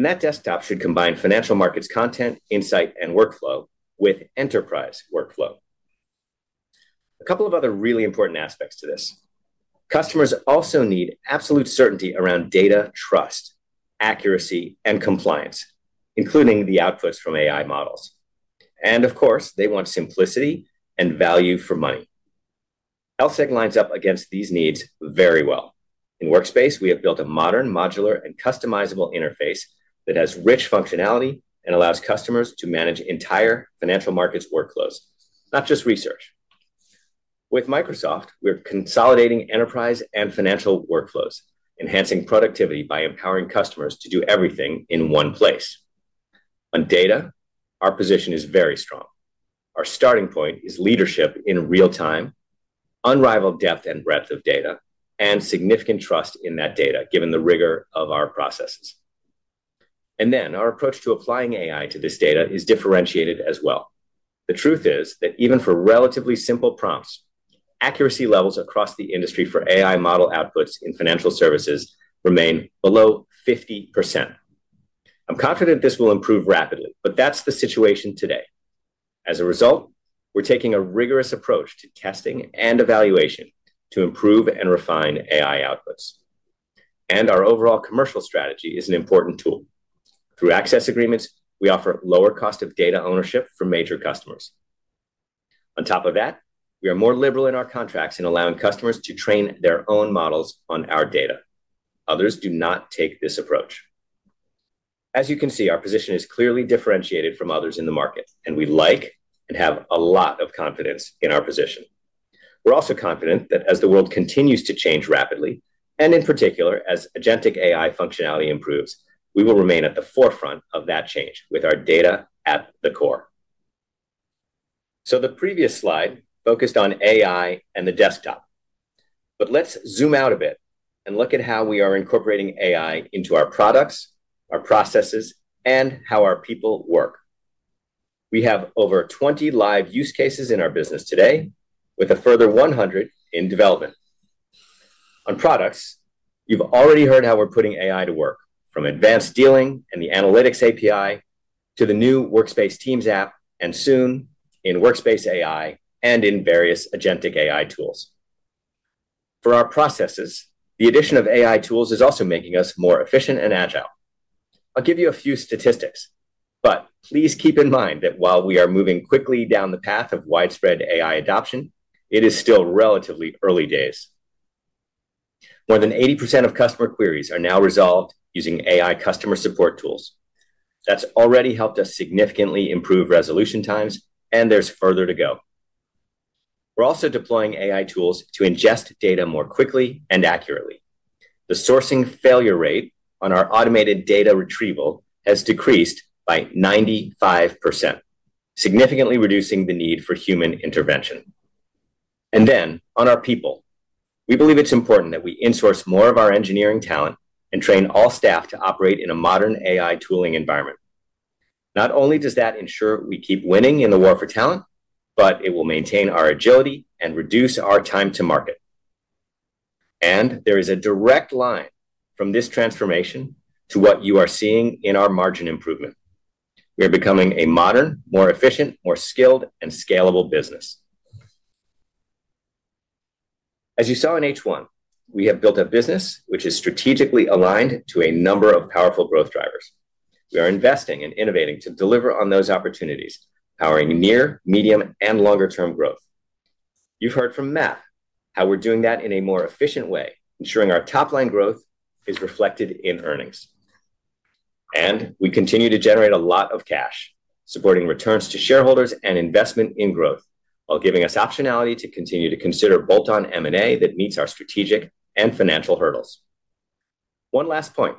That Desktop should combine financial markets content, insight, and workflow with enterprise workflow. A couple of other really important aspects to this. Customers also need absolute certainty around data, trust, accuracy, and compliance, including the outputs from AI models. Of course, they want simplicity and value for money. LSEG lines up against these needs very well. In Workspace, we have built a modern, modular, and customizable interface that has rich functionality and allows customers to manage entire financial markets workflows, not just research. With Microsoft, we're consolidating enterprise and financial workflows, enhancing productivity by empowering customers to do everything in one place. On data, our position is very strong. Our starting point is leadership in real time, unrivaled depth and breadth of data, and significant trust in that data, given the rigor of our processes. Our approach to applying AI to this data is differentiated as well. The truth is that even for relatively simple prompts, accuracy levels across the industry for AI model outputs in financial services remain below 50%. I'm confident this will improve rapidly, but that's the situation today. As a result, we're taking a rigorous approach to testing and evaluation to improve and refine AI outputs. Our overall commercial strategy is an important tool. Through access agreements, we offer lower cost of data ownership for major customers. On top of that, we are more liberal in our contracts in allowing customers to train their own models on our data. Others do not take this approach. As you can see, our position is clearly differentiated from others in the market, and we like and have a lot of confidence in our position. We're also confident that as the world continues to change rapidly, and in particular as agentic AI functionality improves, we will remain at the forefront of that change with our data at the core. The previous slide focused on AI and the desktop. Let's zoom out a bit and look at how we are incorporating AI into our products, our processes, and how our people work. We have over 20 live use cases in our business today, with a further 100 in development. On products, you've already heard how we're putting AI to work, from advanced dealing and the analytics API to the new Workspace Teams app and soon in Workspace AI and in various agentic AI tools. For our processes, the addition of AI tools is also making us more efficient and agile. I'll give you a few statistics, but please keep in mind that while we are moving quickly down the path of widespread AI adoption, it is still relatively early days. More than 80% of customer queries are now resolved using AI customer support tools. That's already helped us significantly improve resolution times, and there's further to go. We're also deploying AI tools to ingest data more quickly and accurately. The sourcing failure rate on our automated data retrieval has decreased by 95%, significantly reducing the need for human intervention. On our people, we believe it's important that we insource more of our engineering talent and train all staff to operate in a modern AI tooling environment. Not only does that ensure we keep winning in the war for talent, but it will maintain our agility and reduce our time to market. There is a direct line from this transformation to what you are seeing in our margin improvement. We are becoming a modern, more efficient, more skilled, and scalable business. As you saw in H1, we have built a business which is strategically aligned to a number of powerful growth drivers. We are investing and innovating to deliver on those opportunities, powering near, medium, and longer-term growth. You've heard from MAP how we're doing that in a more efficient way, ensuring our top-line growth is reflected in earnings. We continue to generate a lot of cash, supporting returns to shareholders and investment in growth, while giving us optionality to continue to consider bolt-on M&A that meets our strategic and financial hurdles. One last point.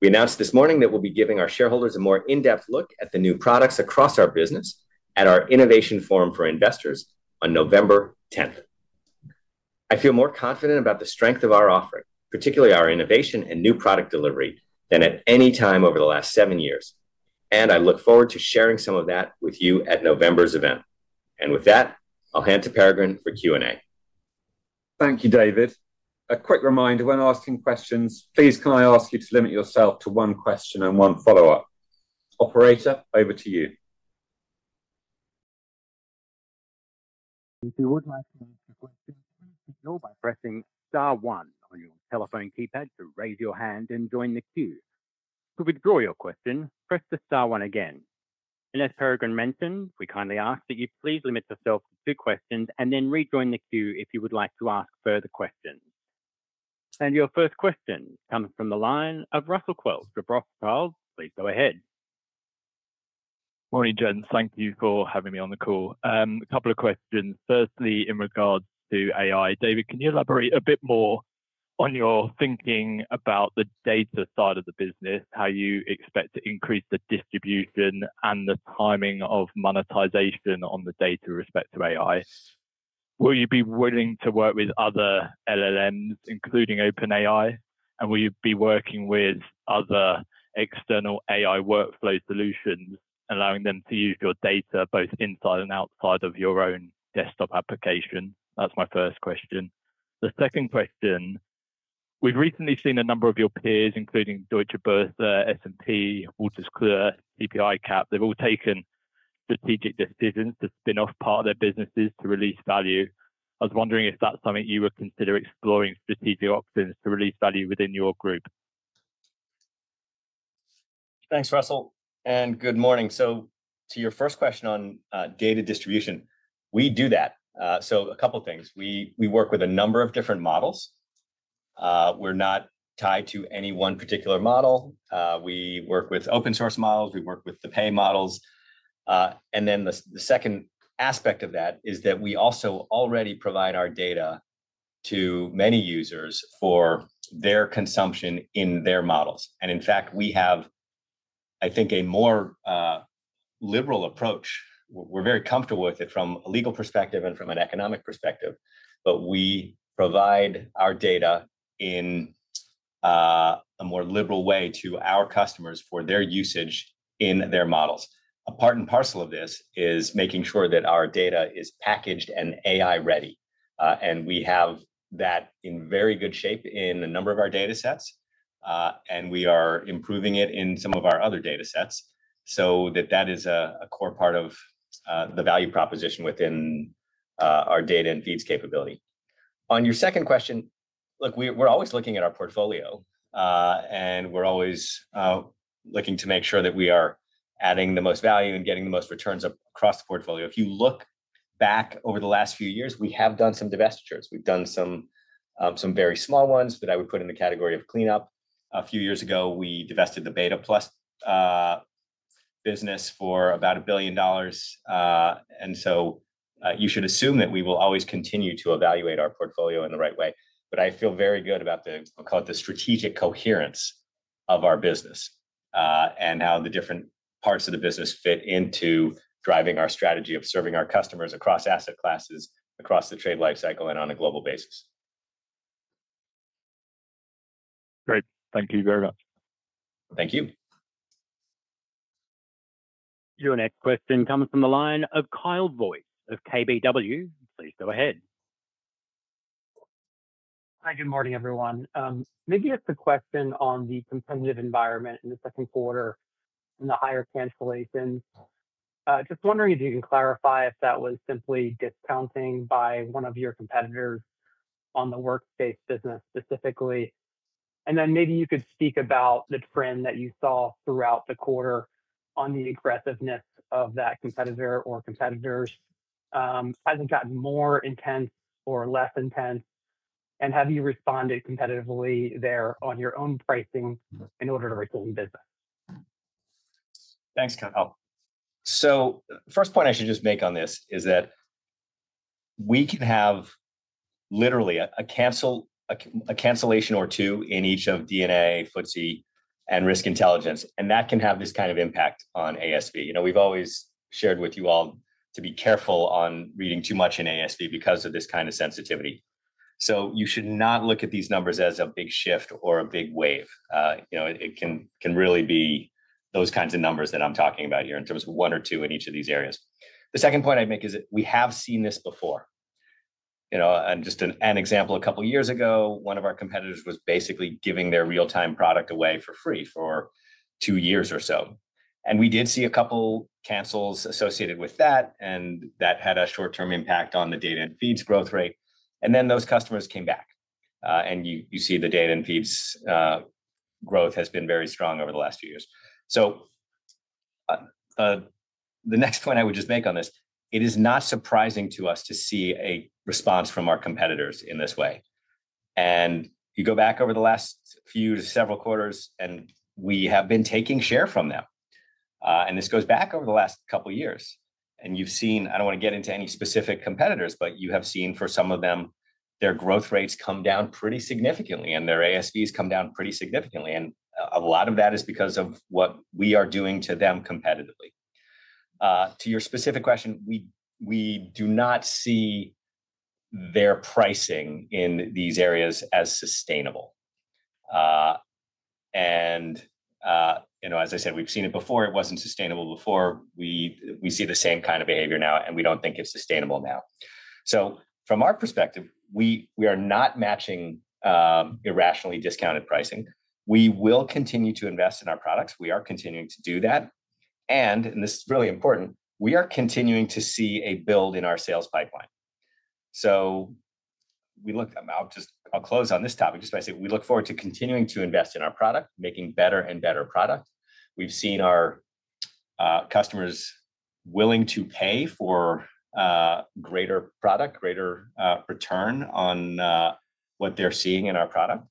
We announced this morning that we'll be giving our shareholders a more in-depth look at the new products across our business at our Innovation Forum for Investors on November 10. I feel more confident about the strength of our offering, particularly our innovation and new product delivery, than at any time over the last seven years. I look forward to sharing some of that with you at November's event. With that, I'll hand to Peregrine for Q&A.
Thank you, David. A quick reminder, when asking questions, please, can I ask you to limit yourself to one question and one follow-up? Operator, over to you.
If you would like to ask a question, please do so by pressing star one on your telephone keypad to raise your hand and join the queue. To withdraw your question, press the star one again. As Peregrine mentioned, we kindly ask that you please limit yourself to two questions and then rejoin the queue if you would like to ask further questions. Your first question comes from the line of Russell Quelch, Kepler Cheuvreux. Please go ahead.
Morning, gents. Thank you for having me on the call. A couple of questions. Firstly, in regards to AI, David, can you elaborate a bit more on your thinking about the data side of the business, how you expect to increase the distribution and the timing of monetization on the data respect to AI? Will you be willing to work with other LLMs, including OpenAI? Will you be working with other external AI workflow solutions, allowing them to use your data both inside and outside of your own Desktop application? That's my first question. The second question, we've recently seen a number of your peers, including Deutsche Börse, S&P, Wolters Kluwer, Capita, they've all taken strategic decisions to spin off part of their businesses to release value. I was wondering if that's something you would consider exploring, strategic options to release value within your group.
Thanks, Russell. Good morning. To your first question on data distribution, we do that. A couple of things. We work with a number of different models. We're not tied to any one particular model. We work with open-source models. We work with the pay models. The second aspect of that is that we also already provide our data to many users for their consumption in their models. In fact, we have, I think, a more liberal approach. We're very comfortable with it from a legal perspective and from an economic perspective. We provide our data in a more liberal way to our customers for their usage in their models. A part and parcel of this is making sure that our data is packaged and AI-ready. We have that in very good shape in a number of our data sets. We are improving it in some of our other data sets so that is a core part of the value proposition within our data and feeds capability. On your second question, we're always looking at our portfolio. We're always looking to make sure that we are adding the most value and getting the most returns across the portfolio. If you look back over the last few years, we have done some divestitures. We've done some very small ones that I would put in the category of cleanup. A few years ago, we divested the Beta Plus business for about $1 billion. You should assume that we will always continue to evaluate our portfolio in the right way. I feel very good about the, I'll call it the strategic coherence of our business. How the different parts of the business fit into driving our strategy of serving our customers across asset classes, across the trade lifecycle, and on a global basis.
Great. Thank you very much.
Thank you.
Your next question comes from the line of Kyle Voigt of KBW. Please go ahead.
Hi, good morning, everyone. Maybe it's a question on the competitive environment in the second quarter and the higher cancellations. Just wondering if you can clarify if that was simply discounting by one of your competitors on the Workspace business specifically. Maybe you could speak about the trend that you saw throughout the quarter on the aggressiveness of that competitor or competitors. Has it gotten more intense or less intense? Have you responded competitively there on your own pricing in order to resume business?
Thanks, Kyle. First point I should just make on this is that we can have literally a cancellation or two in each of Data & Analytics, FTSE Russell, and Risk Intelligence, and that can have this kind of impact on ASV. We've always shared with you all to be careful on reading too much in ASV because of this kind of sensitivity. You should not look at these numbers as a big shift or a big wave. It can really be those kinds of numbers that I'm talking about here in terms of one or two in each of these areas. The second point I'd make is that we have seen this before. Just an example, a couple of years ago, one of our competitors was basically giving their real-time product away for free for two years or so. We did see a couple of cancels associated with that, and that had a short-term impact on the data and feeds growth rate. Those customers came back, and you see the data and feeds growth has been very strong over the last few years. It is not surprising to us to see a response from our competitors in this way. You go back over the last few to several quarters, and we have been taking share from them. This goes back over the last couple of years. You have seen, I don't want to get into any specific competitors, but you have seen for some of them, their growth rates come down pretty significantly, and their ASVs come down pretty significantly. A lot of that is because of what we are doing to them competitively. To your specific question, we do not see their pricing in these areas as sustainable. As I said, we've seen it before. It wasn't sustainable before. We see the same kind of behavior now, and we don't think it's sustainable now. From our perspective, we are not matching irrationally discounted pricing. We will continue to invest in our products. We are continuing to do that. This is really important. We are continuing to see a build in our sales pipeline. I'll close on this topic just by saying we look forward to continuing to invest in our product, making better and better product. We've seen our customers willing to pay for greater product, greater return on what they're seeing in our product.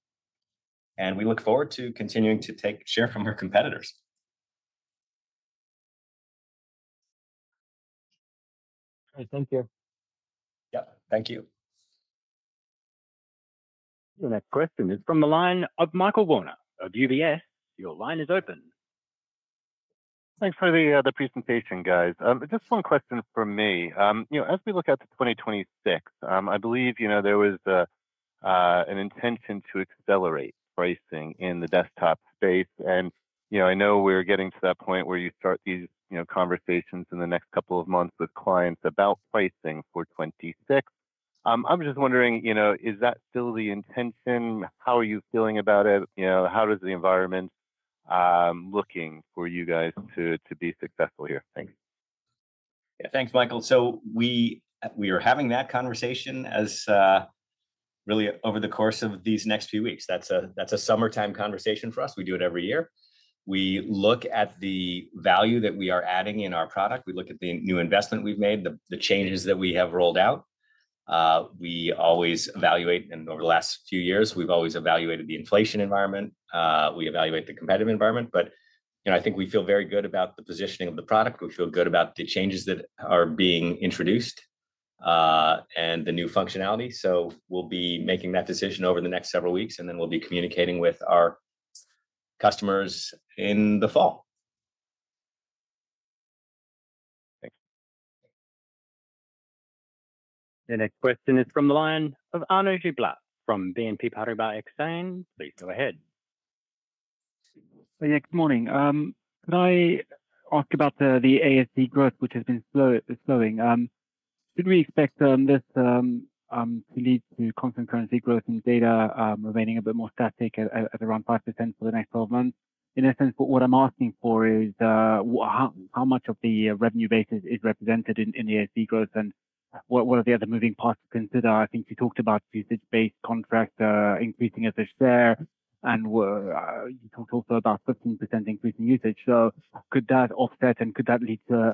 We look forward to continuing to take share from our competitors.
Thank you.
Thank you.
Your next question is from the line of Michael Warner of UBS. Your line is open.
Thanks for the presentation, guys. Just one question for me. As we look at 2026, I believe there was an intention to accelerate pricing in the Desktop space. I know we're getting to that point where you start these conversations in the next couple of months with clients about pricing for 2026. I'm just wondering, is that still the intention? How are you feeling about it? How does the environment look for you guys to be successful here? Thanks.
Yeah. Thanks, Michael. We are having that conversation really over the course of these next few weeks. That's a summertime conversation for us. We do it every year. We look at the value that we are adding in our product. We look at the new investment we've made, the changes that we have rolled out. We always evaluate, and over the last few years, we've always evaluated the inflation environment. We evaluate the competitive environment. I think we feel very good about the positioning of the product. We feel good about the changes that are being introduced and the new functionality. We'll be making that decision over the next several weeks, and then we'll be communicating with our customers in the fall.
Thanks.
Your next question is from the line of Arnaud Julien from BNP Paribas Exane. Please go ahead.
Yeah. Good morning. Can I ask about the ASV growth, which has been slowing? Should we expect this to lead to constant currency growth and data remaining a bit more static at around 5% for the next 12 months? In essence, what I'm asking for is how much of the revenue base is represented in the ASV growth and what are the other moving parts to consider? I think you talked about usage-based contracts increasing as a share, and. You talked also about 15% increase in usage. Could that offset, and could that lead to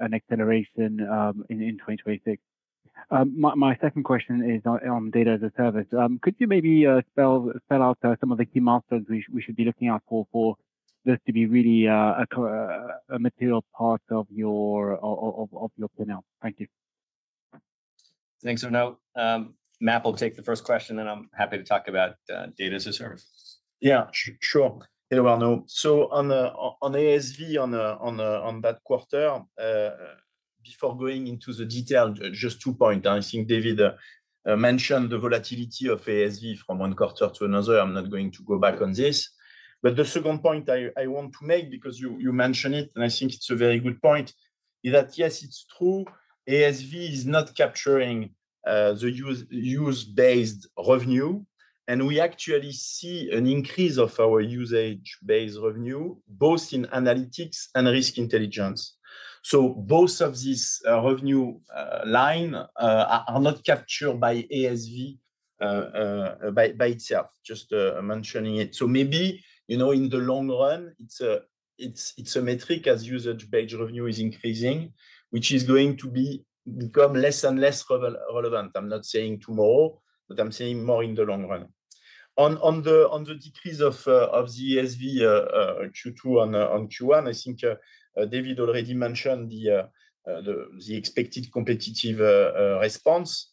an acceleration in 2026? My second question is on data as a service. Could you maybe spell out some of the key milestones we should be looking out for for this to be really a material part of your pin-up? Thank you.
Thanks, Arnaud. MAP will take the first question, and I'm happy to talk about data as a service.
Yeah. Sure. On ASV on that quarter, before going into the detail, just two points. I think David mentioned the volatility of ASV from one quarter to another. I'm not going to go back on this. The second point I want to make, because you mentioned it, and I think it's a very good point, is that yes, it's true. ASV is not capturing the usage-based revenue, and we actually see an increase of our usage-based revenue both in analytics and Risk Intelligence. Both of these revenue lines are not captured by ASV by itself, just mentioning it. Maybe in the long run, it's a metric as usage-based revenue is increasing, which is going to become less and less relevant. I'm not saying tomorrow, but I'm saying more in the long run. On the decrease of the ASV Q2 on Q1, I think David already mentioned the expected competitive response.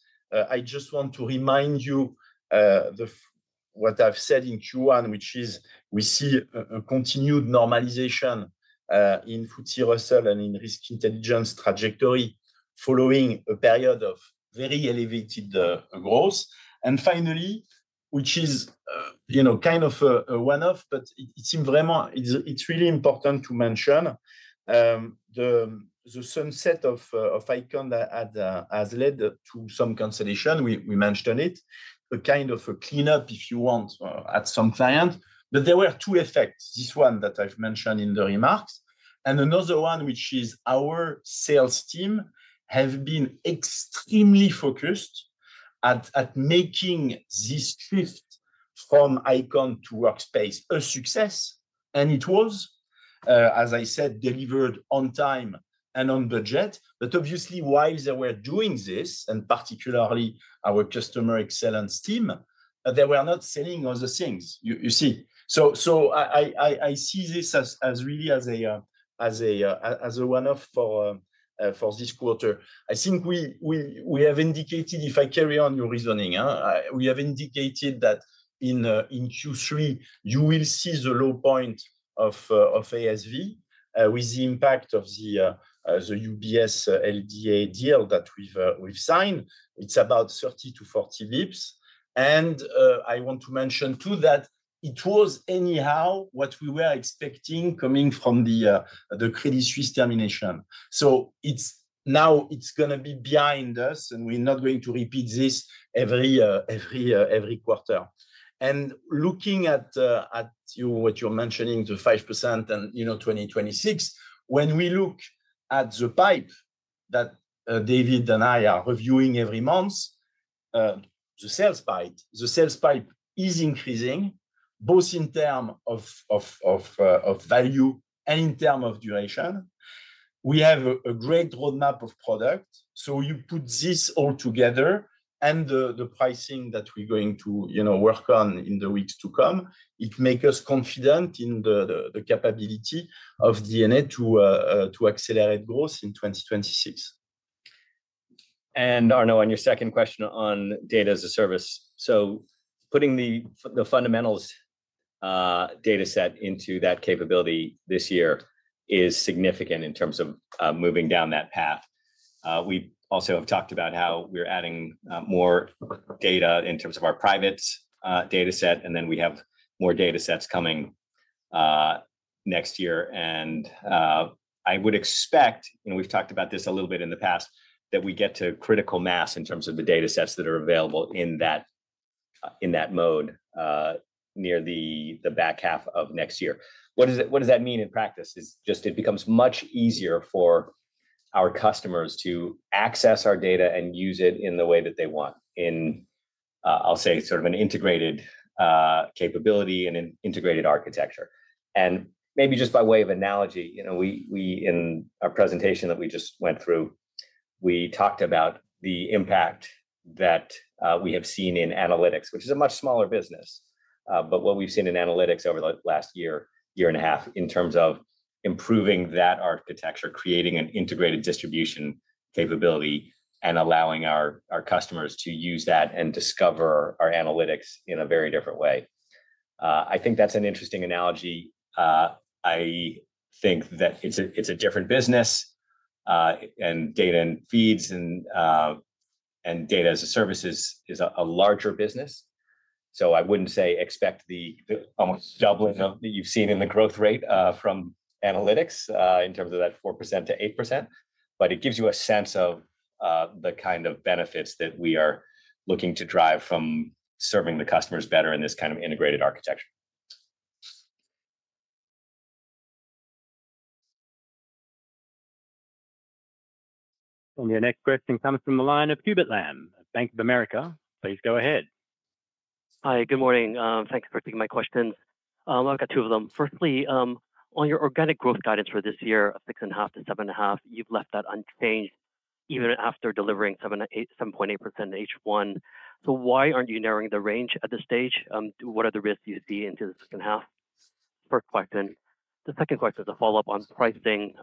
I just want to remind you what I've said in Q1, which is we see a continued normalization in FTSE Russell and in Risk Intelligence trajectory following a period of very elevated growth. Finally, which is kind of a one-off, but it's really important to mention, the sunset of ICON has led to some consolation. We mentioned it, a kind of a cleanup, if you want, at some clients. There were two effects, this one that I've mentioned in the remarks, and another one, which is our sales team have been extremely focused at making this shift from ICON to Workspace a success. It was, as I said, delivered on time and on budget. Obviously, while they were doing this, and particularly our customer excellence team, they were not selling all the things, you see. I see this as really as a one-off for this quarter. I think we have indicated, if I carry on your reasoning, we have indicated that in Q3, you will see the low point of ASV with the impact of the UBS LDA deal that we've signed. It's about 3040 bps. I want to mention too that it was anyhow what we were expecting coming from the Credit Suisse termination. Now it's going to be behind us, and we're not going to repeat this every quarter. Looking at what you're mentioning, the 5% and 2026, when we look at the pipe that David and I are reviewing every month, the sales pipe is increasing, both in terms of value and in terms of duration. We have a great roadmap of product. You put this all together, and the pricing that we're going to work on in the weeks to come, it makes us confident in the capability of D&A to accelerate growth in 2026.
Arnaud, on your second question on data as a service, putting the fundamentals dataset into that capability this year is significant in terms of moving down that path. We also have talked about how we're adding more data in terms of our private dataset, and then we have more datasets coming next year. I would expect, and we've talked about this a little bit in the past, that we get to critical mass in terms of the datasets that are available in that mode near the back half of next year. What does that mean in practice? It just becomes much easier for our customers to access our data and use it in the way that they want in, I'll say, sort of an integrated capability and an integrated architecture. Maybe just by way of analogy, in our presentation that we just went through, we talked about the impact that we have seen in analytics, which is a much smaller business. What we've seen in analytics over the last year, year and a half, in terms of improving that architecture, creating an integrated distribution capability, and allowing our customers to use that and discover our analytics in a very different way, I think that's an interesting analogy. I think that it's a different business, and data and feeds and data as a service is a larger business. I wouldn't say expect the almost doubling that you've seen in the growth rate from analytics in terms of that 4%-8%, but it gives you a sense of the kind of benefits that we are looking to drive from serving the customers better in this kind of integrated architecture.
Your next question comes from the line of Hubert Lam, Bank of America. Please go ahead.
Hi. Good morning. Thanks for taking my questions. I've got two of them. Firstly, on your organic growth guidance for this year, 6.5%-7.5%, you've left that unchanged even after delivering 7.8% in H1. Why aren't you narrowing the range at this stage? What are the risks you see into the second half? First question. The second question is a follow-up on pricing.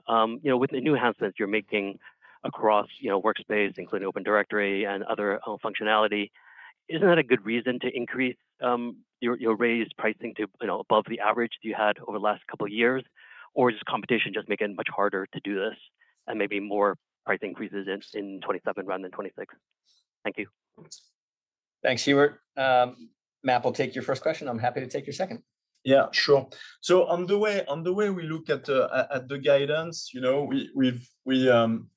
With the new enhancements you're making across Workspace, including Open Directory and other functionality, isn't that a good reason to increase your raised pricing to above the average that you had over the last couple of years? Or is competition just making it much harder to do this and maybe more price increases in 2027 rather than 2026? Thank you.
Thanks, Hubert. Map, we'll take your first question. I'm happy to take your second.
Yeah, sure. On the way we look at the guidance,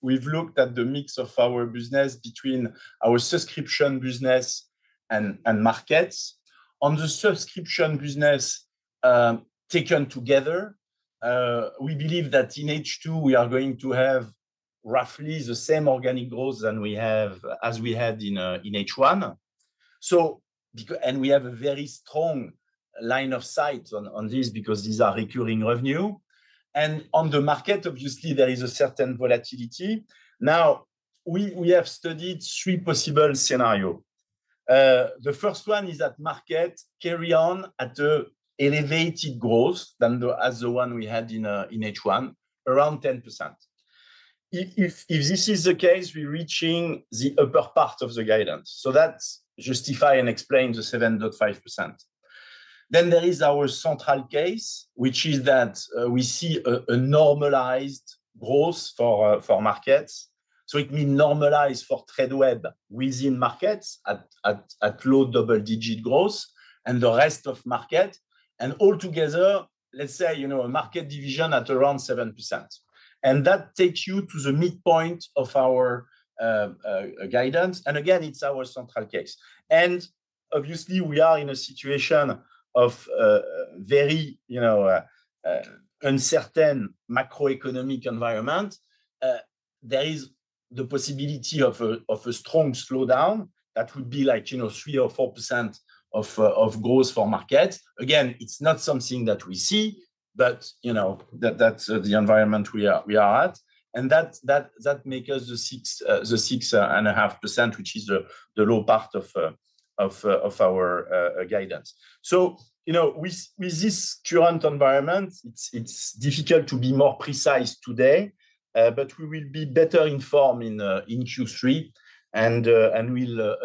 we've looked at the mix of our business between our Subscription business and markets. On the Subscription business, taken together, we believe that in H2, we are going to have roughly the same organic growth as we had in H1. We have a very strong line of sight on this because these are recurring revenue. On the market, obviously, there is a certain volatility. We have studied three possible scenarios. The first one is that market carry on at an elevated growth than the one we had in H1, around 10%. If this is the case, we're reaching the upper part of the guidance. That justifies and explains the 7.5%. Then there is our central case, which is that we see a normalized growth for markets. It means normalized for Tradeweb within markets at low double-digit growth and the rest of market. All together, let's say, market division at around 7%. That takes you to the midpoint of our guidance. Again, it's our central case. Obviously, we are in a situation of very uncertain macroeconomic environment. There is the possibility of a strong slowdown that would be like 3% or 4% of growth for markets. Again, it's not something that we see, but that's the environment we are at. That makes us the 6.5%, which is the low part of our guidance. With this current environment, it's difficult to be more precise today, but we will be better informed in Q3, and we'll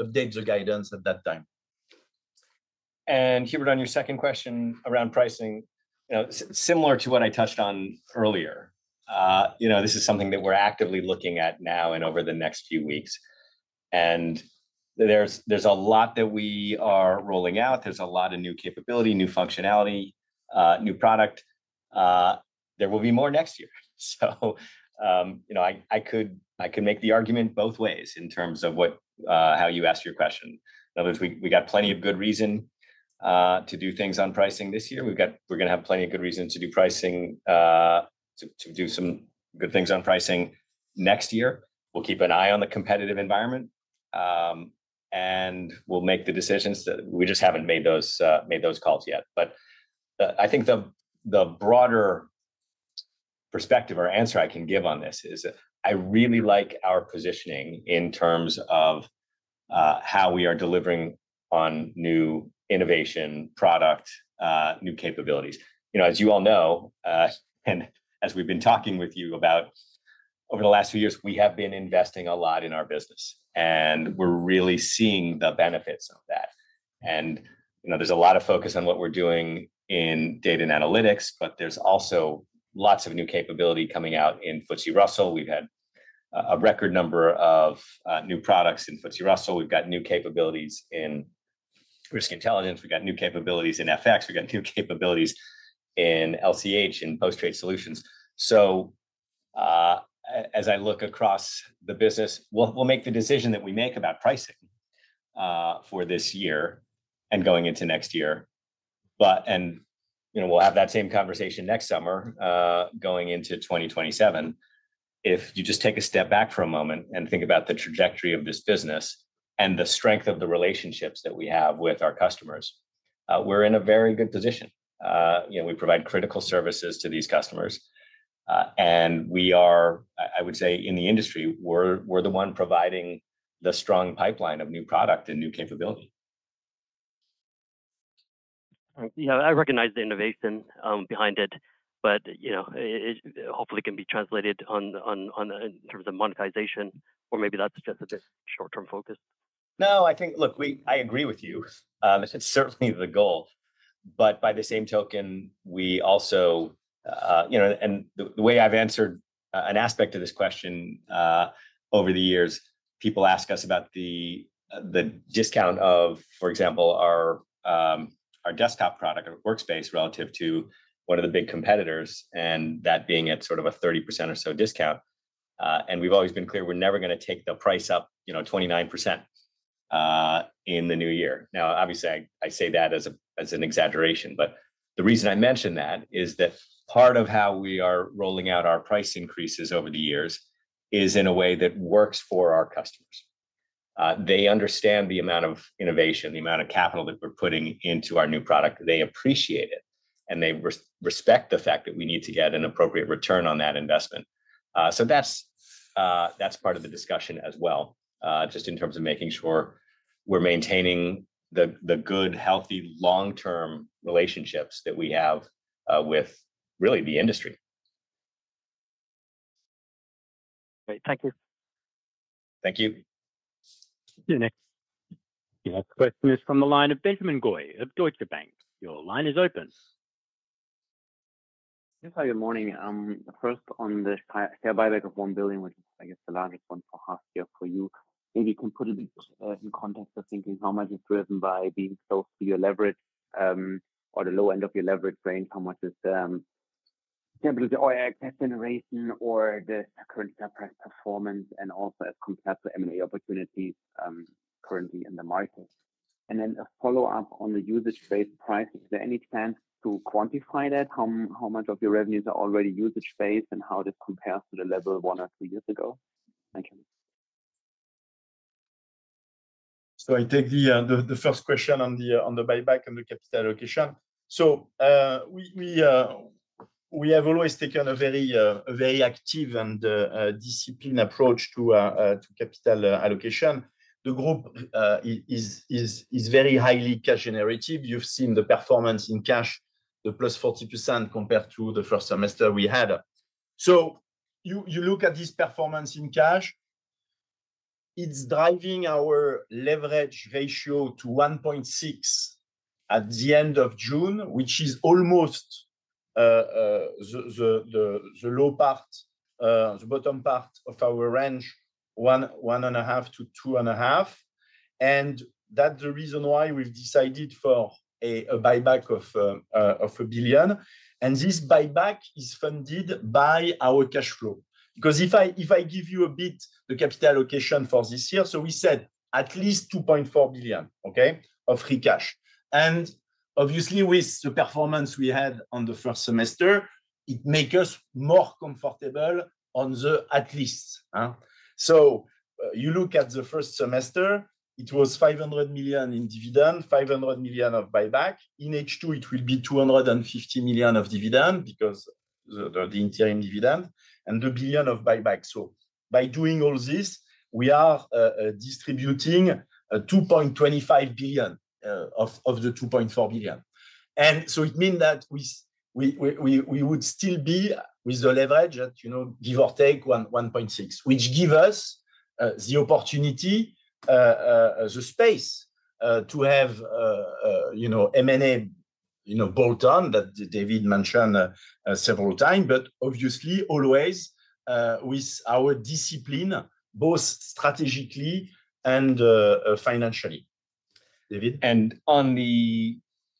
update the guidance at that time.
Hubert, on your second question around pricing, similar to what I touched on earlier, this is something that we're actively looking at now and over the next few weeks. There's a lot that we are rolling out. There's a lot of new capability, new functionality, new product. There will be more next year. I could make the argument both ways in terms of how you asked your question. In other words, we got plenty of good reason to do things on pricing this year. We're going to have plenty of good reasons to do pricing. To do some good things on pricing next year. We'll keep an eye on the competitive environment, and we'll make the decisions. We just haven't made those calls yet. I think the broader perspective or answer I can give on this is that I really like our positioning in terms of how we are delivering on new innovation, product, new capabilities. As you all know, and as we've been talking with you about over the last few years, we have been investing a lot in our business, and we're really seeing the benefits of that. There's a lot of focus on what we're doing in data & analytics, but there's also lots of new capability coming out in FTSE Russell. We've had a record number of new products in FTSE Russell. We've got new capabilities in Risk Intelligence. We've got new capabilities in FX. We've got new capabilities in LCH and Post-Trade Solutions. As I look across the business, we'll make the decision that we make about pricing for this year and going into next year, and we'll have that same conversation next summer going into 2027. If you just take a step back for a moment and think about the trajectory of this business and the strength of the relationships that we have with our customers, we're in a very good position. We provide critical services to these customers, and we are, I would say, in the industry, we're the one providing the strong pipeline of new product and new capability.
I recognize the innovation behind it, but hopefully can be translated in terms of monetization, or maybe that's just a short-term focus.
No, I think, look, I agree with you. It's certainly the goal. By the same token, we also, and the way I've answered an aspect of this question, over the years, people ask us about the discount of, for example, our Desktop product at Workspace relative to one of the big competitors, and that being at sort of a 30% or so discount. We've always been clear we're never going to take the price up 29% in the new year. Obviously, I say that as an exaggeration, but the reason I mentioned that is that part of how we are rolling out our price increases over the years is in a way that works for our customers. They understand the amount of innovation, the amount of capital that we're putting into our new product. They appreciate it, and they respect the fact that we need to get an appropriate return on that investment. That's part of the discussion as well, just in terms of making sure we're maintaining the good, healthy, long-term relationships that we have with, really, the industry.
Great, thank you.
Thank you.
The next question is from the line of Benjamin Goy of Deutsche Bank. Your line is open.
Yes, hi. Good morning. First, on the share buyback of $1 billion, which is, I guess, the largest one for half a year for you. Maybe you can put it in context of thinking how much is driven by being close to your leverage or the low end of your leverage range, how much is capability or asset generation or the current share price performance, and also as compared to M&A opportunities currently in the market. A follow-up on the usage-based price. Is there any chance to quantify that, how much of your revenues are already usage-based and how this compares to the level one or two years ago? Thank you.
I take the first question on the buyback and the capital allocation. We have always taken a very active and disciplined approach to capital allocation. The group is very highly cash-generative. You've seen the performance in cash, the +40% compared to the first semester we had. You look at this performance in cash, it's driving our leverage ratio to 1.6 at the end of June, which is almost the low part, the bottom part of our range, 1.5-2.5. That's the reason why we've decided for a buyback of 1 billion. This buyback is funded by our cash flow. If I give you a bit the capital allocation for this year, we said at least 2.4 billion of free cash. Obviously, with the performance we had on the first semester, it makes us more comfortable on the at least. You look at the first semester, it was 500 million in dividend, 500 million of buyback. In H2, it will be 250 million of dividend because of the interim dividend and the 1 billion of buyback. By doing all this, we are distributing 2.25 billion of the 2.4 billion. It means that we would still be, with the leverage, give or take 1.6, which gives us the opportunity, the space to have M&A, bolt-on that David mentioned several times, but obviously, always with our discipline, both strategically and financially. David?
On the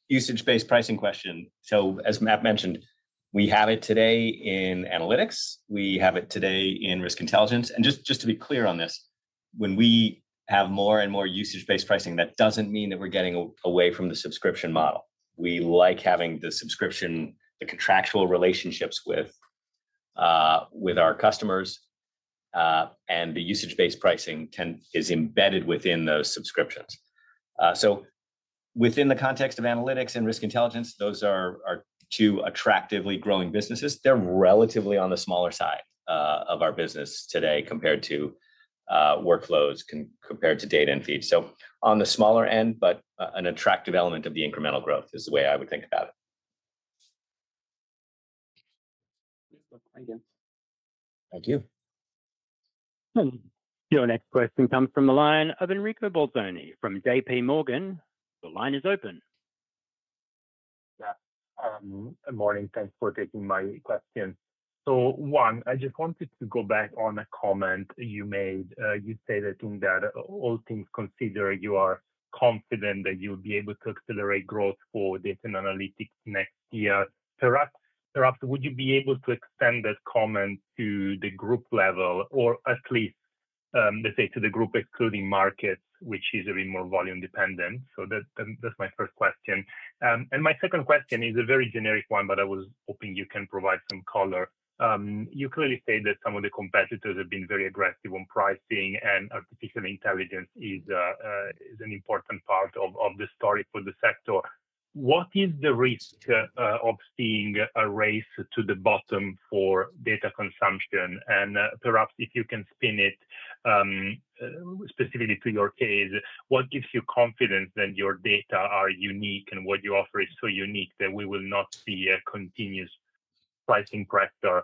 usage-based pricing question, as MAP mentioned, we have it today in analytics and we have it today in Risk Intelligence. Just to be clear on this, when we have more and more usage-based pricing, that doesn't mean that we're getting away from the Subscription model. We like having the Subscription, the contractual relationships with our customers, and the usage-based pricing is embedded within those Subscriptions. Within the context of analytics and Risk Intelligence, those are two attractively growing businesses. They're relatively on the smaller side of our business today compared to workloads, compared to data and feeds. On the smaller end, but an attractive element of the incremental growth is the way I would think about it.
Thank you.
Thank you.
Your next question comes from the line of Enrico Bolzani from J.P. Morgan. The line is open.
Good morning. Thanks for taking my question. I just wanted to go back on a comment you made. You stated that all things considered, you are confident that you'll be able to accelerate growth for data & analytics next year. Perhaps would you be able to extend that comment to the group level or at least, let's say, to the group excluding markets, which is a bit more volume-dependent? That's my first question. My second question is a very generic one, but I was hoping you can provide some color. You clearly stated that some of the competitors have been very aggressive on pricing, and artificial intelligence is an important part of the story for the sector. What is the risk of seeing a race to the bottom for data consumption? Perhaps if you can spin it specifically to your case, what gives you confidence that your data are unique and what you offer is so unique that we will not see a continuous pricing pressure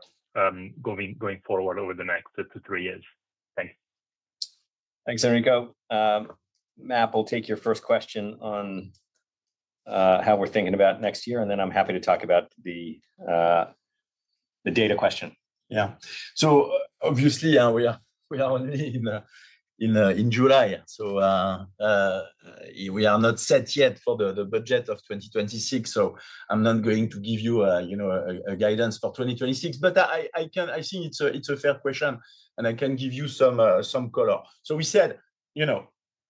going forward over the next two to three years? Thanks.
Thanks, Enrico. Map, we'll take your first question on how we're thinking about next year, and then I'm happy to talk about the data question.
Obviously, we are only in July, so we are not set yet for the budget of 2026. I'm not going to give you a guidance for 2026, but I think it's a fair question, and I can give you some color. We said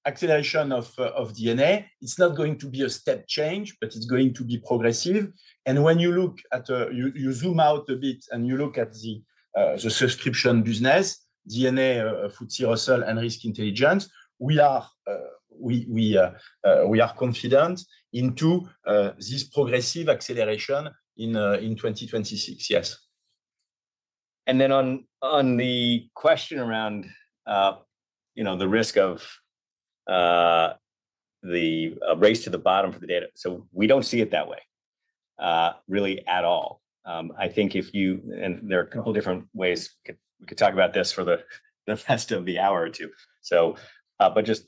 acceleration of D&A. It's not going to be a step change, it's going to be progressive. When you zoom out a bit and you look at the Subscription business, D&A, FTSE Russell, and Risk Intelligence, we are confident into this progressive acceleration in 2026. Yes.
On the question around the risk of the race to the bottom for the data, we don't see it that way at all. If you, and there are a couple of different ways we could talk about this for the rest of the hour or two, just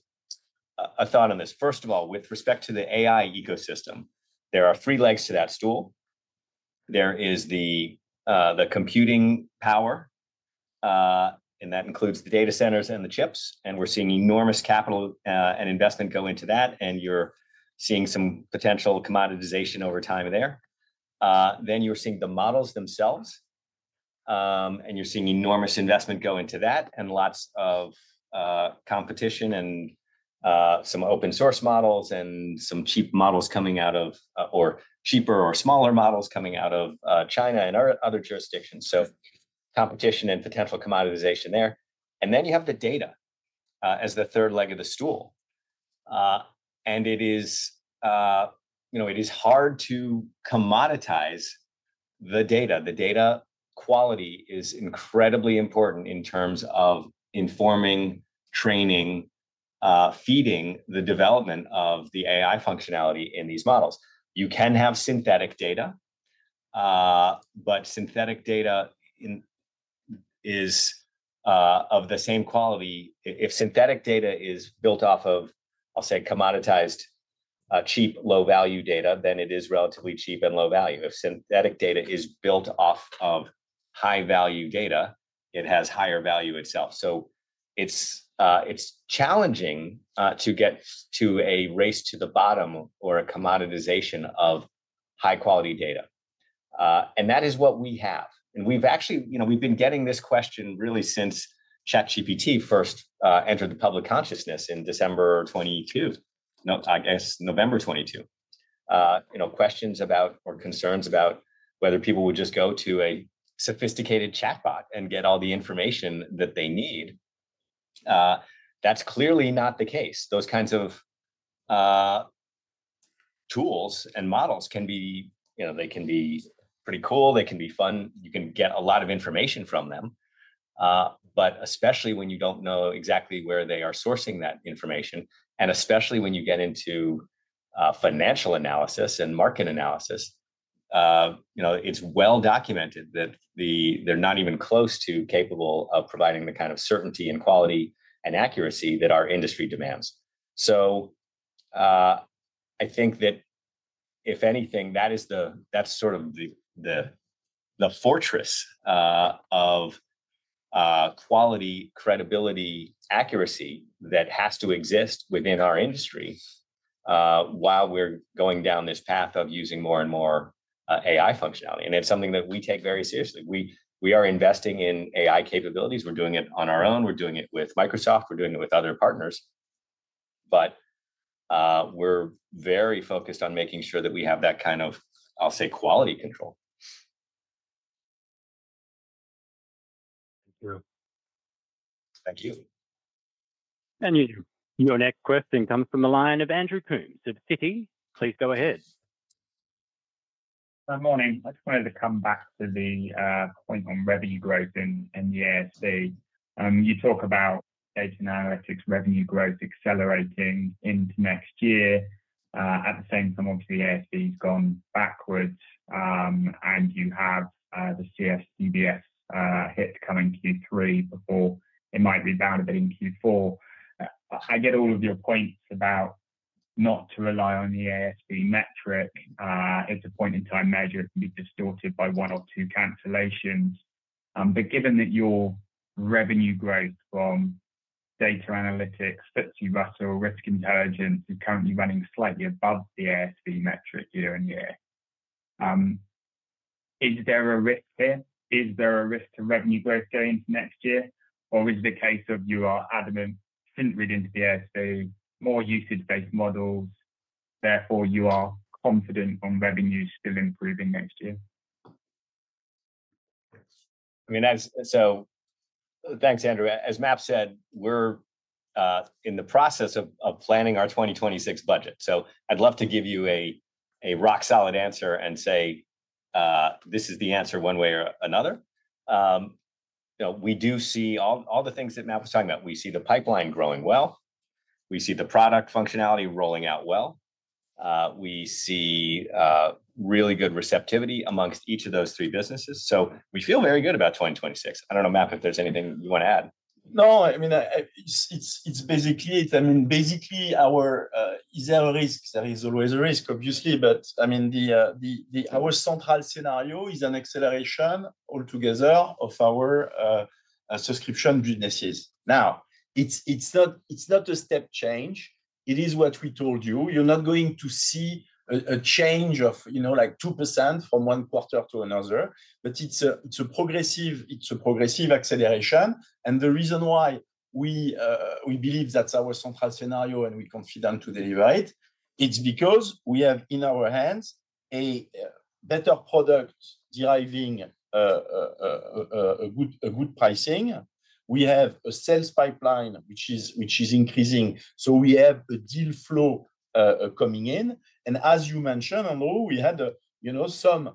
a thought on this. First of all, with respect to the AI ecosystem, there are three legs to that stool. There is the computing power, and that includes the data centers and the chips. We're seeing enormous capital and investment go into that, and you're seeing some potential commoditization over time there. You're seeing the models themselves, and you're seeing enormous investment go into that and lots of competition and some open-source models and some cheap models coming out of, or cheaper or smaller models coming out of China and other jurisdictions. Competition and potential commoditization there. Then you have the data as the third leg of the stool. It is hard to commoditize the data. The data quality is incredibly important in terms of informing, training, feeding the development of the AI functionality in these models. You can have synthetic data, but synthetic data is of the same quality if synthetic data is built off of, I'll say, commoditized, cheap, low-value data, then it is relatively cheap and low-value. If synthetic data is built off of high-value data, it has higher value itself. It's challenging to get to a race to the bottom or a commoditization of high-quality data, and that is what we have. We've actually been getting this question really since ChatGPT first entered the public consciousness in November 2022, questions about or concerns about whether people would just go to a sophisticated chatbot and get all the information that they need. That's clearly not the case. Those kinds of tools and models can be pretty cool, they can be fun, you can get a lot of information from them, especially when you don't know exactly where they are sourcing that information, and especially when you get into financial analysis and market analysis. It's well documented that they're not even close to capable of providing the kind of certainty and quality and accuracy that our industry demands. I think that if anything, that's sort of the fortress of quality, credibility, accuracy that has to exist within our industry while we're going down this path of using more and more AI functionality. It's something that we take very seriously. We are investing in AI capabilities. We're doing it on our own, we're doing it with Microsoft, we're doing it with other partners. We're very focused on making sure that we have that kind of, I'll say, quality control.
Thank you.
Thank you. Your next question comes from the line of Andrew Coombs of Citi. Please go ahead.
Good morning. I just wanted to come back to the point on revenue growth in the ASV. You talk about data & analytics revenue growth accelerating into next year. At the same time, obviously, ASV has gone backwards. You have the CSDBS hit coming Q3 before it might rebound a bit in Q4. I get all of your points about not to rely on the ASV metric. At the point in time, measure can be distorted by one or two cancellations. Given that your revenue growth from data analytics, FTSE Russell, Risk Intelligence is currently running slightly above the ASV metric year on year, is there a risk here? Is there a risk to revenue growth going into next year? Is it the case of you are adamant, FTSE Russell, more usage-based models? Therefore, you are confident on revenue still improving next year?
Thanks, Andrew. As MAP said, we're in the process of planning our 2026 budget. I'd love to give you a rock-solid answer and say this is the answer one way or another. We do see all the things that MAP was talking about. We see the pipeline growing well. We see the product functionality rolling out well. We see really good receptivity amongst each of those three businesses. We feel very good about 2026. I don't know, Map, if there's anything you want to add.
No, I mean, it's basically, I mean, basically, is there a risk? There is always a risk, obviously. I mean, our central scenario is an acceleration altogether of our Subscription businesses. Now, it's not a step change. It is what we told you. You're not going to see a change of like 2% from one quarter to another. It's a progressive acceleration. The reason why we believe that's our central scenario and we're confident to deliver it is because we have in our hands a better product deriving a good pricing. We have a sales pipeline, which is increasing. We have a deal flow coming in. As you mentioned, Andrew, we had some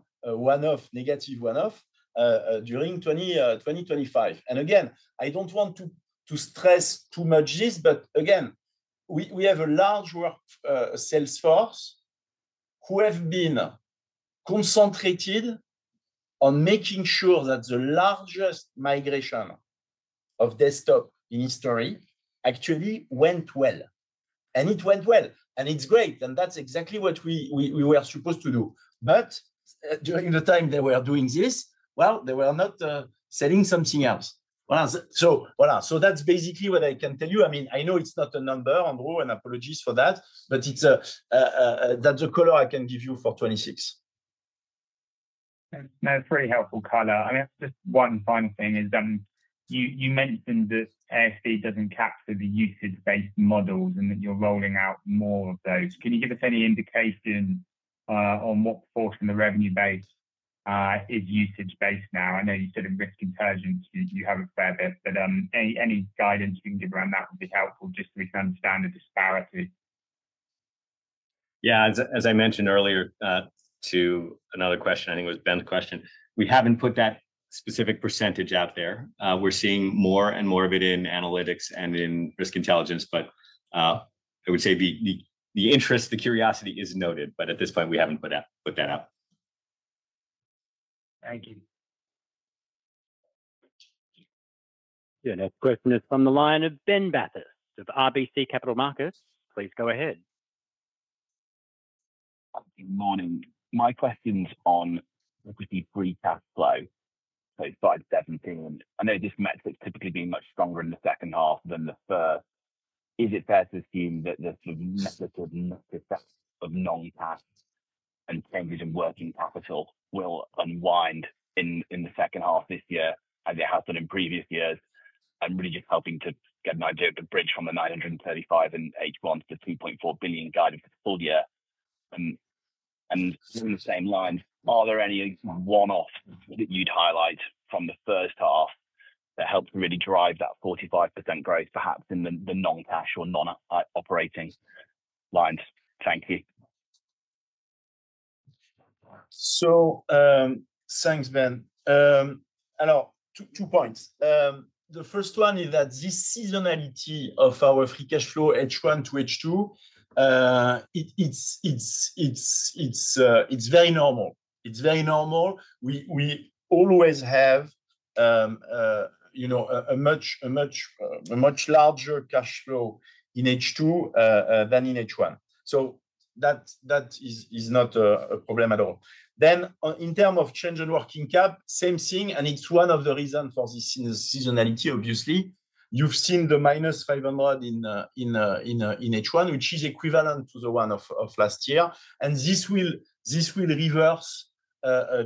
negative one-off during 2025. Again, I don't want to stress too much this, but we have a large workforce who have been concentrated on making sure that the largest migration of Desktop in history actually went well. It went well, and it's great. That's exactly what we were supposed to do. During the time they were doing this, they were not selling something else. That's basically what I can tell you. I know it's not a number, Andrew, and apologies for that, but that's the color I can give you for 2026.
That's a very helpful color. Just one final thing is, you mentioned that ASV doesn't capture the usage-based models and that you're rolling out more of those. Can you give us any indication on what portion of the revenue base is usage-based now? I know you said in Risk Intelligence you have a fair bit, but any guidance you can give around that would be helpful just so we can understand the disparity.
Yeah, as I mentioned earlier to another question, I think it was Ben's question. We haven't put that specific % out there. We're seeing more and more of it in analytics and in Risk Intelligence. I would say the interest, the curiosity is noted, but at this point, we haven't put that out.
Thank you.
Your next question is from the line of Ben Bathurst of RBC Capital Markets. Please go ahead.
Good morning. My question's on the free cash flow. So it's $517 million. I know this metric's typically been much stronger in the second half than the first. Is it fair to assume that the sort of metric of non-cash and changes in working capital will unwind in the second half this year as it has done in previous years? I'm really just hoping to get an idea of the bridge from the $935 million in H1 to $2.4 billion guided full year. In the same line, are there any one-offs that you'd highlight from the first half that help to really drive that 45% growth, perhaps in the non-cash or non-operating lines? Thank you.
Thanks, Ben. Hello, two points. The first one is that this seasonality of our free cash flow H1-H2 is very normal. It's very normal. We always have a much larger cash flow in H2 than in H1. That is not a problem at all. In terms of change in working cap, same thing, and it's one of the reasons for this seasonality, obviously. You've seen the minus $500 million in H1, which is equivalent to the one of last year. This will reverse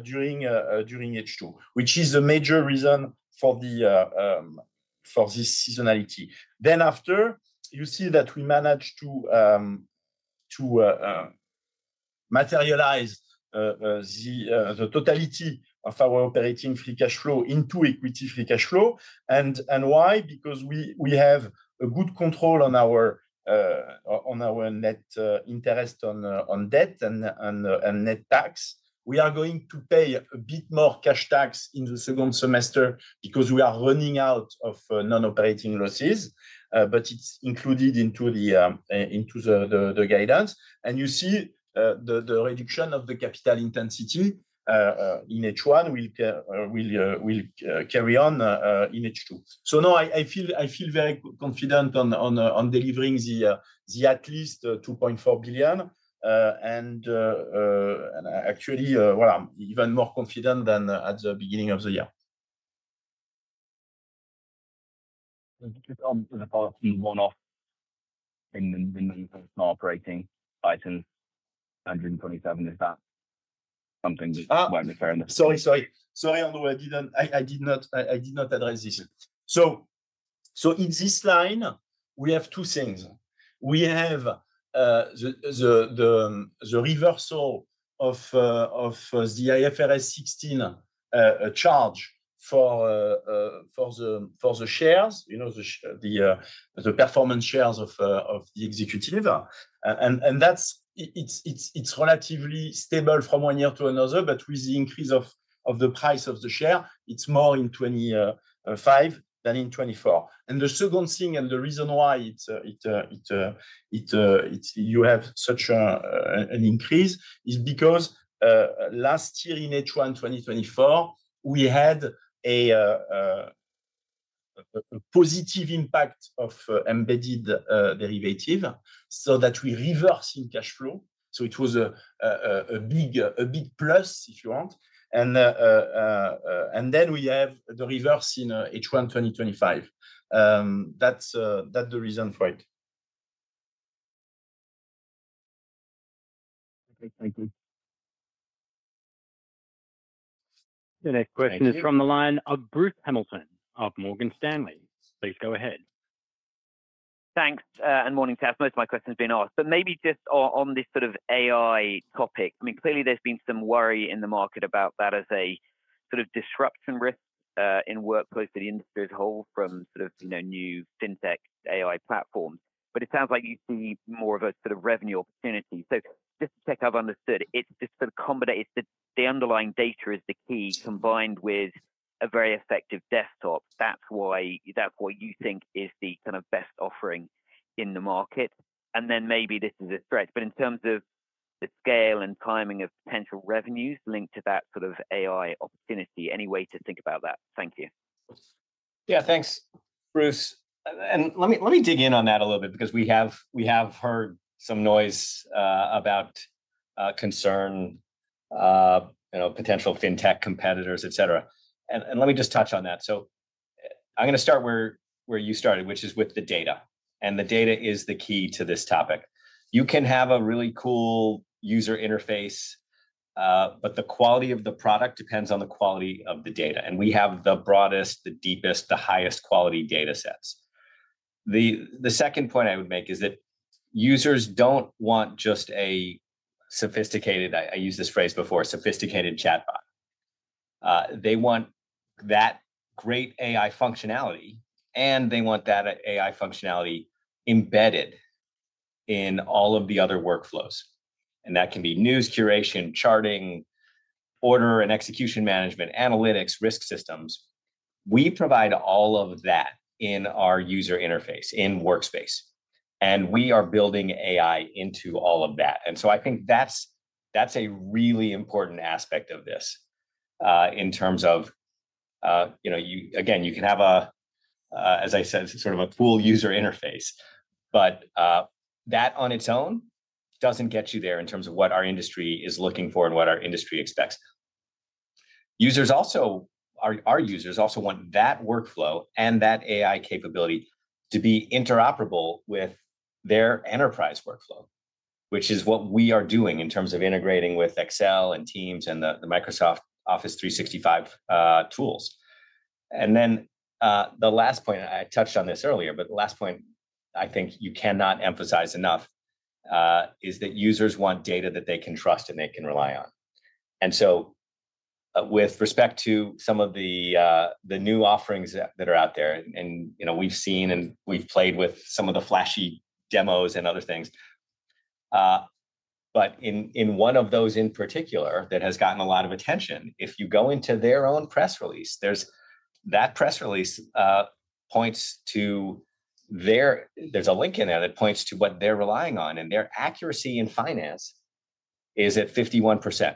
during H2, which is the major reason for this seasonality. After, you see that we manage to materialize the totality of our operating free cash flow into equity free cash flow. Why? Because we have a good control on our net interest on debt and net tax. We are going to pay a bit more cash tax in the second semester because we are running out of non-operating losses, but it's included into the guidance. You see the reduction of the capital intensity in H1 will carry on in H2. I feel very confident on delivering the at least $2.4 billion, and actually, even more confident than at the beginning of the year.
Just on the one-off, in the non-operating items, $127 million, is that something that won't be fair enough?
Sorry, Andrew, I did not address this. In this line, we have two things. We have the reversal of the IFRS 16 charge for the shares, the performance shares of the executive. It's relatively stable from one year to another, but with the increase of the price of the share, it's more in 2025 than in 2024. The second thing and the reason why you have such an increase is because last year in H1 2024, we had a positive impact of embedded derivative that we reverse in cash flow. It was a big plus, if you want. We have the reverse in H1 2025. That's the reason for it.
Your next question is from the line of Bruce Hamilton of Morgan Stanley. Please go ahead.
Thanks. Morning to you. Most of my questions have been asked. Maybe just on this sort of AI topic, I mean, clearly there's been some worry in the market about that as a sort of disruption risk in workflows for the industry as a whole from new fintech AI platforms. It sounds like you see more of a revenue opportunity. Just to check I've understood, it's just combined. The underlying data is the key combined with a very effective desktop. That's what you think is the kind of best offering in the market. Maybe this is a threat. In terms of the scale and timing of potential revenues linked to that sort of AI opportunity, any way to think about that? Thank you.
Yeah, thanks, Bruce. Let me dig in on that a little bit because we have heard some noise about concern, potential fintech competitors, etc. Let me just touch on that. I'm going to start where you started, which is with the data. The data is the key to this topic. You can have a really cool user interface, but the quality of the product depends on the quality of the data. We have the broadest, the deepest, the highest quality data sets. The second point I would make is that users don't want just a sophisticated, I used this phrase before, sophisticated chatbot. They want that great AI functionality, and they want that AI functionality embedded in all of the other workflows. That can be news curation, charting, order and execution management, analytics, risk systems. We provide all of that in our user interface, in Workspace. We are building AI into all of that. I think that's a really important aspect of this. You can have, as I said, sort of a full user interface, but that on its own doesn't get you there in terms of what our industry is looking for and what our industry expects. Our users also want that workflow and that AI capability to be interoperable with their enterprise workflow, which is what we are doing in terms of integrating with Excel and Teams and the Microsoft Office 365 tools. The last point, I touched on this earlier, but the last point I think you cannot emphasize enough is that users want data that they can trust and they can rely on. With respect to some of the new offerings that are out there, we've seen and we've played with some of the flashy demos and other things. In one of those in particular that has gotten a lot of attention, if you go into their own press release, that press release points to, there's a link in there that points to what they're relying on. Their accuracy in finance is at 51%.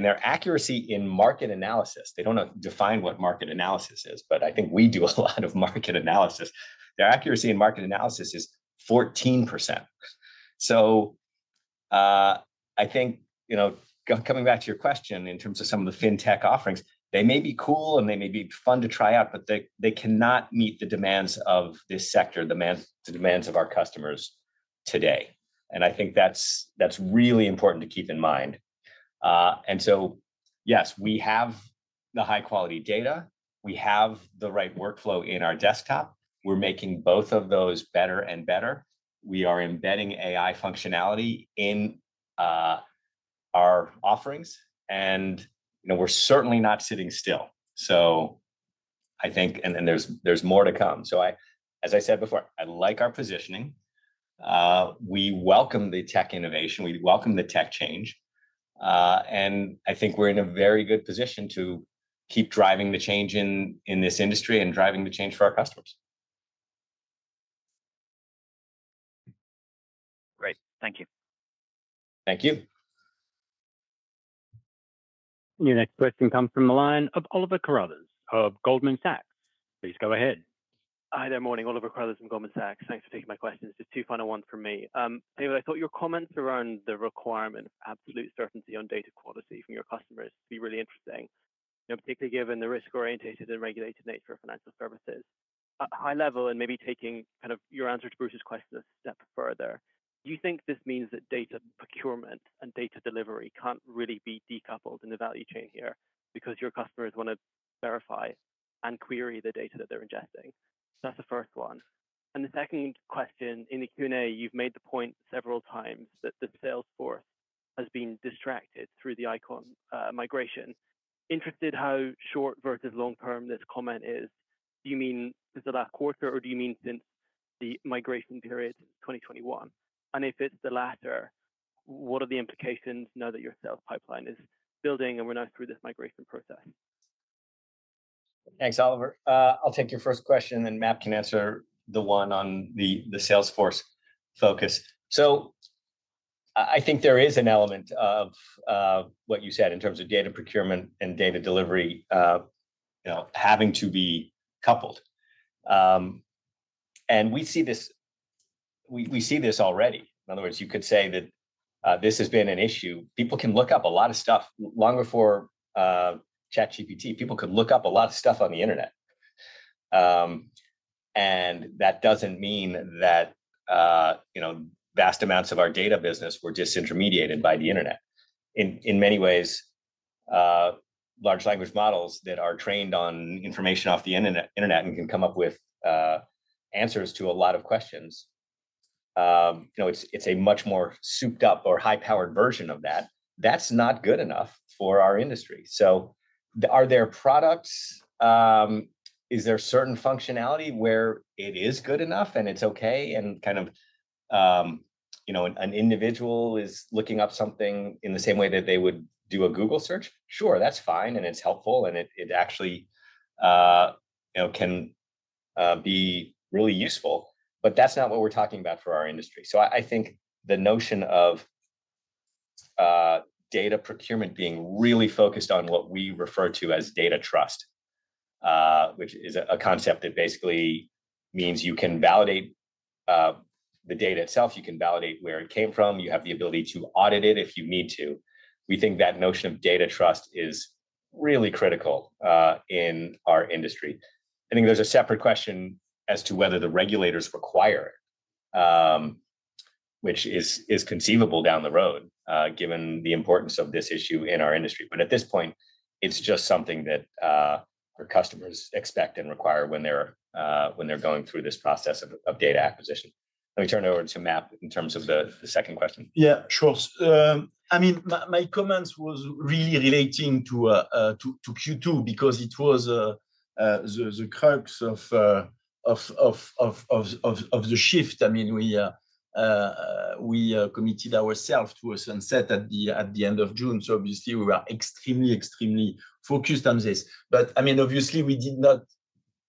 Their accuracy in market analysis, they don't define what market analysis is, but I think we do a lot of market analysis. Their accuracy in market analysis is 14%. I think, coming back to your question in terms of some of the fintech offerings, they may be cool and they may be fun to try out, but they cannot meet the demands of this sector, the demands of our customers today. I think that's really important to keep in mind. Yes, we have the high-quality data. We have the right workflow in our desktop. We're making both of those better and better. We are embedding AI functionality in our offerings, and we're certainly not sitting still. I think there's more to come. As I said before, I like our positioning. We welcome the tech innovation. We welcome the tech change, and I think we're in a very good position to keep driving the change in this industry and driving the change for our customers.
Great. Thank you.
Thank you.
Your next question comes from the line of Oliver Carruthers of Goldman Sachs. Please go ahead.
Hi, there. Morning. Oliver Carruthers from Goldman Sachs. Thanks for taking my questions. Just two final ones from me. David, I thought your comments around the requirement of absolute certainty on data quality from your customers to be really interesting, particularly given the risk-orientated and regulated nature of financial services. At a high level and maybe taking kind of your answer to Bruce's question a step further, do you think this means that data procurement and data delivery can't really be decoupled in the value chain here because your customers want to verify and query the data that they're ingesting? That's the first one. The second question, in the Q&A, you've made the point several times that the Salesforce has been distracted through the ICON migration. Interested how short versus long-term this comment is. Do you mean since the last quarter or do you mean since the migration period since 2021? If it's the latter, what are the implications now that your sales pipeline is building and we're now through this migration process?
Thanks, Oliver. I'll take your first question, and then MAP can answer the one on the Salesforce focus. I think there is an element of what you said in terms of data procurement and data delivery having to be coupled, and we see this already. In other words, you could say that this has been an issue. People can look up a lot of stuff long before ChatGPT. People could look up a lot of stuff on the internet, and that doesn't mean that vast amounts of our data business were just intermediated by the internet. In many ways, large language models that are trained on information off the internet and can come up with answers to a lot of questions are a much more souped-up or high-powered version of that. That's not good enough for our industry. Are there products? Is there certain functionality where it is good enough and it's okay and kind of an individual is looking up something in the same way that they would do a Google search? Sure, that's fine and it's helpful and it actually can be really useful. That's not what we're talking about for our industry. I think the notion of data procurement being really focused on what we refer to as data trust, which is a concept that basically means you can validate the data itself, you can validate where it came from, you have the ability to audit it if you need to. We think that notion of data trust is really critical in our industry. I think there's a separate question as to whether the regulators require it, which is conceivable down the road given the importance of this issue in our industry. At this point, it's just something that our customers expect and require when they're going through this process of data acquisition. Let me turn it over to MAP in terms of the second question.
Yeah, sure. My comment was really relating to Q2 because it was the crux of the shift. We committed ourselves to a sunset at the end of June. Obviously, we were extremely, extremely focused on this. We did not,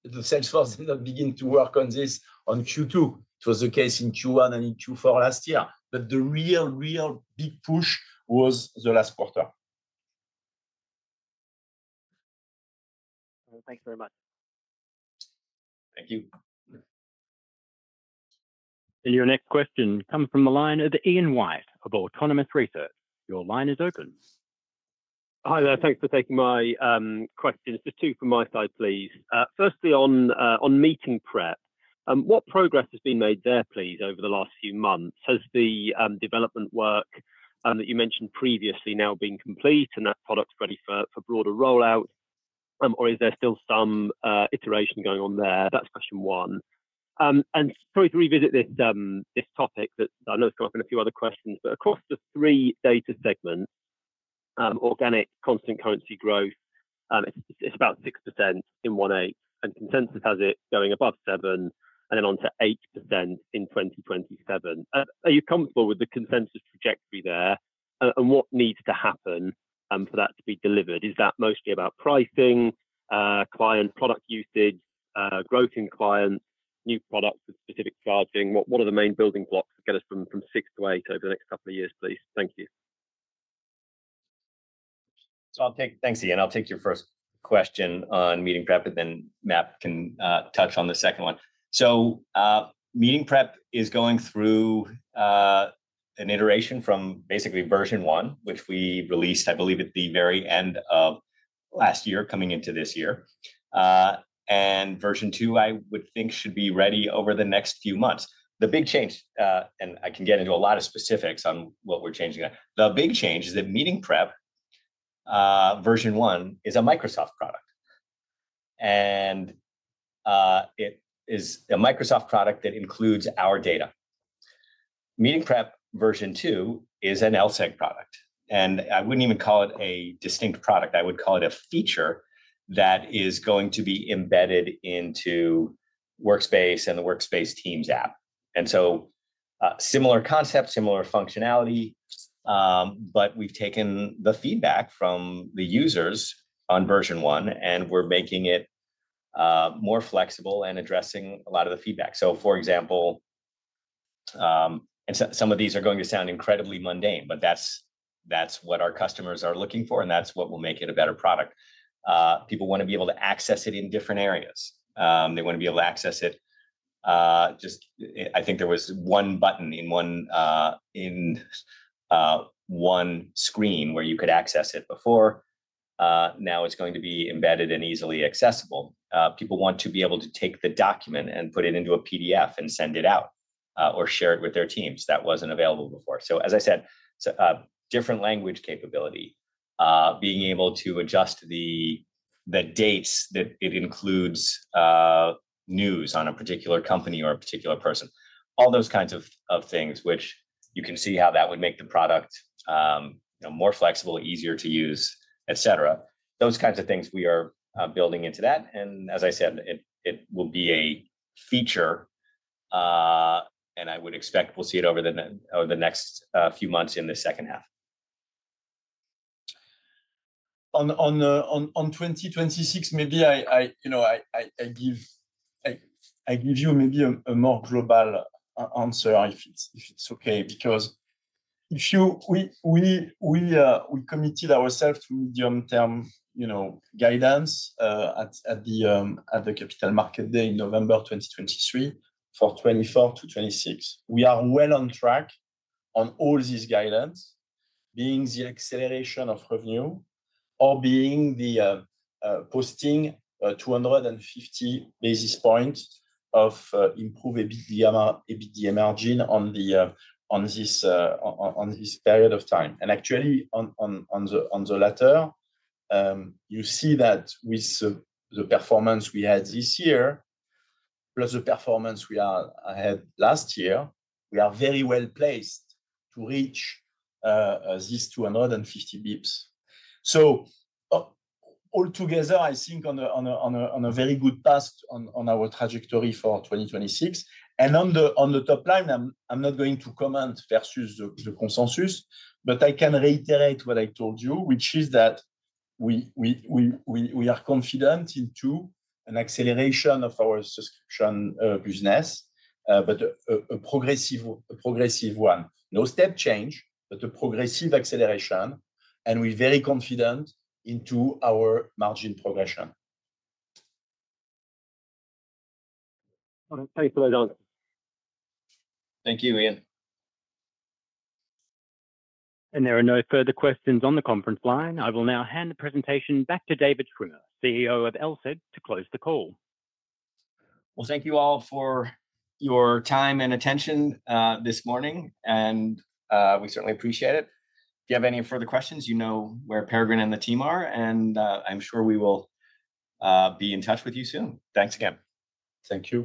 the Salesforce did not begin to work on this in Q2. It was the case in Q1 and in Q4 last year, but the real, real big push was the last quarter.
Thanks very much.
Thank you.
Your next question comes from the line of Ian White of Autonomous Research. Your line is open.
Hi there. Thanks for taking my question. Just two from my side, please. Firstly, on meeting prep, what progress has been made there, please, over the last few months? Has the development work that you mentioned previously now been complete and that product ready for broader rollout? Is there still some iteration going on there? That's question one. Sorry to revisit this topic, but I know it's come up in a few other questions. Across the three data segments, organic constant currency growth is about 6% in Q1, and consensus has it going above 7% and then on to 8% in 2027. Are you comfortable with the consensus trajectory there and what needs to happen for that to be delivered? Is that mostly about pricing, client product usage, growth in clients, new products with specific charging? What are the main building blocks to get us from 6%-8% over the next couple of years, please? Thank you.
Thanks, Ian. I'll take your first question on meeting prep, and then MAP can touch on the second one. Meeting prep is going through an iteration from basically version one, which we released, I believe, at the very end of last year, coming into this year. Version two, I would think, should be ready over the next few months. The big change, and I can get into a lot of specifics on what we're changing on, the big change is that meeting prep version one is a Microsoft product. It is a Microsoft product that includes our data. Meeting prep version two is an LSEG product. I wouldn't even call it a distinct product. I would call it a feature that is going to be embedded into Workspace and the Workspace Teams app. Similar concept, similar functionality, but we've taken the feedback from the users on version one, and we're making it more flexible and addressing a lot of the feedback. For example, and some of these are going to sound incredibly mundane, but that's what our customers are looking for, and that's what will make it a better product. People want to be able to access it in different areas. They want to be able to access it. I think there was one button in one screen where you could access it before. Now it's going to be embedded and easily accessible. People want to be able to take the document and put it into a PDF and send it out or share it with their teams. That wasn't available before. As I said, different language capability, being able to adjust the dates that it includes, news on a particular company or a particular person, all those kinds of things, which you can see how that would make the product more flexible, easier to use, etc. Those kinds of things we are building into that. As I said, it will be a feature, and I would expect we'll see it over the next few months in the second half.
On 2026, maybe I give you maybe a more global answer, if it's okay, because we committed ourselves to medium-term guidance at the Capital Markets Day in November 2023 for 2024-2026. We are well on track on all these guidance, being the acceleration of revenue or being posting 250 basis points of improved EBITDA margin on this period of time. Actually, on the latter, you see that with the performance we had this year plus the performance we had last year, we are very well placed to reach these 250 bps. Altogether, I think, on a very good path on our trajectory for 2026. On the top line, I'm not going to comment versus the consensus, but I can reiterate what I told you, which is that we are confident into an acceleration of our Subscription business, but a progressive one. No step change, but a progressive acceleration, and we're very confident into our margin progression.
Thank you,
Thank you Ian.
There are no further questions on the conference line. I will now hand the presentation back to David Schwimmer, CEO of LSEG, to close the call.
Thank you all for your time and attention this morning, and we certainly appreciate it. If you have any further questions, you know where Peregrine and the team are, and I'm sure we will be in touch with you soon. Thanks again. Thank you.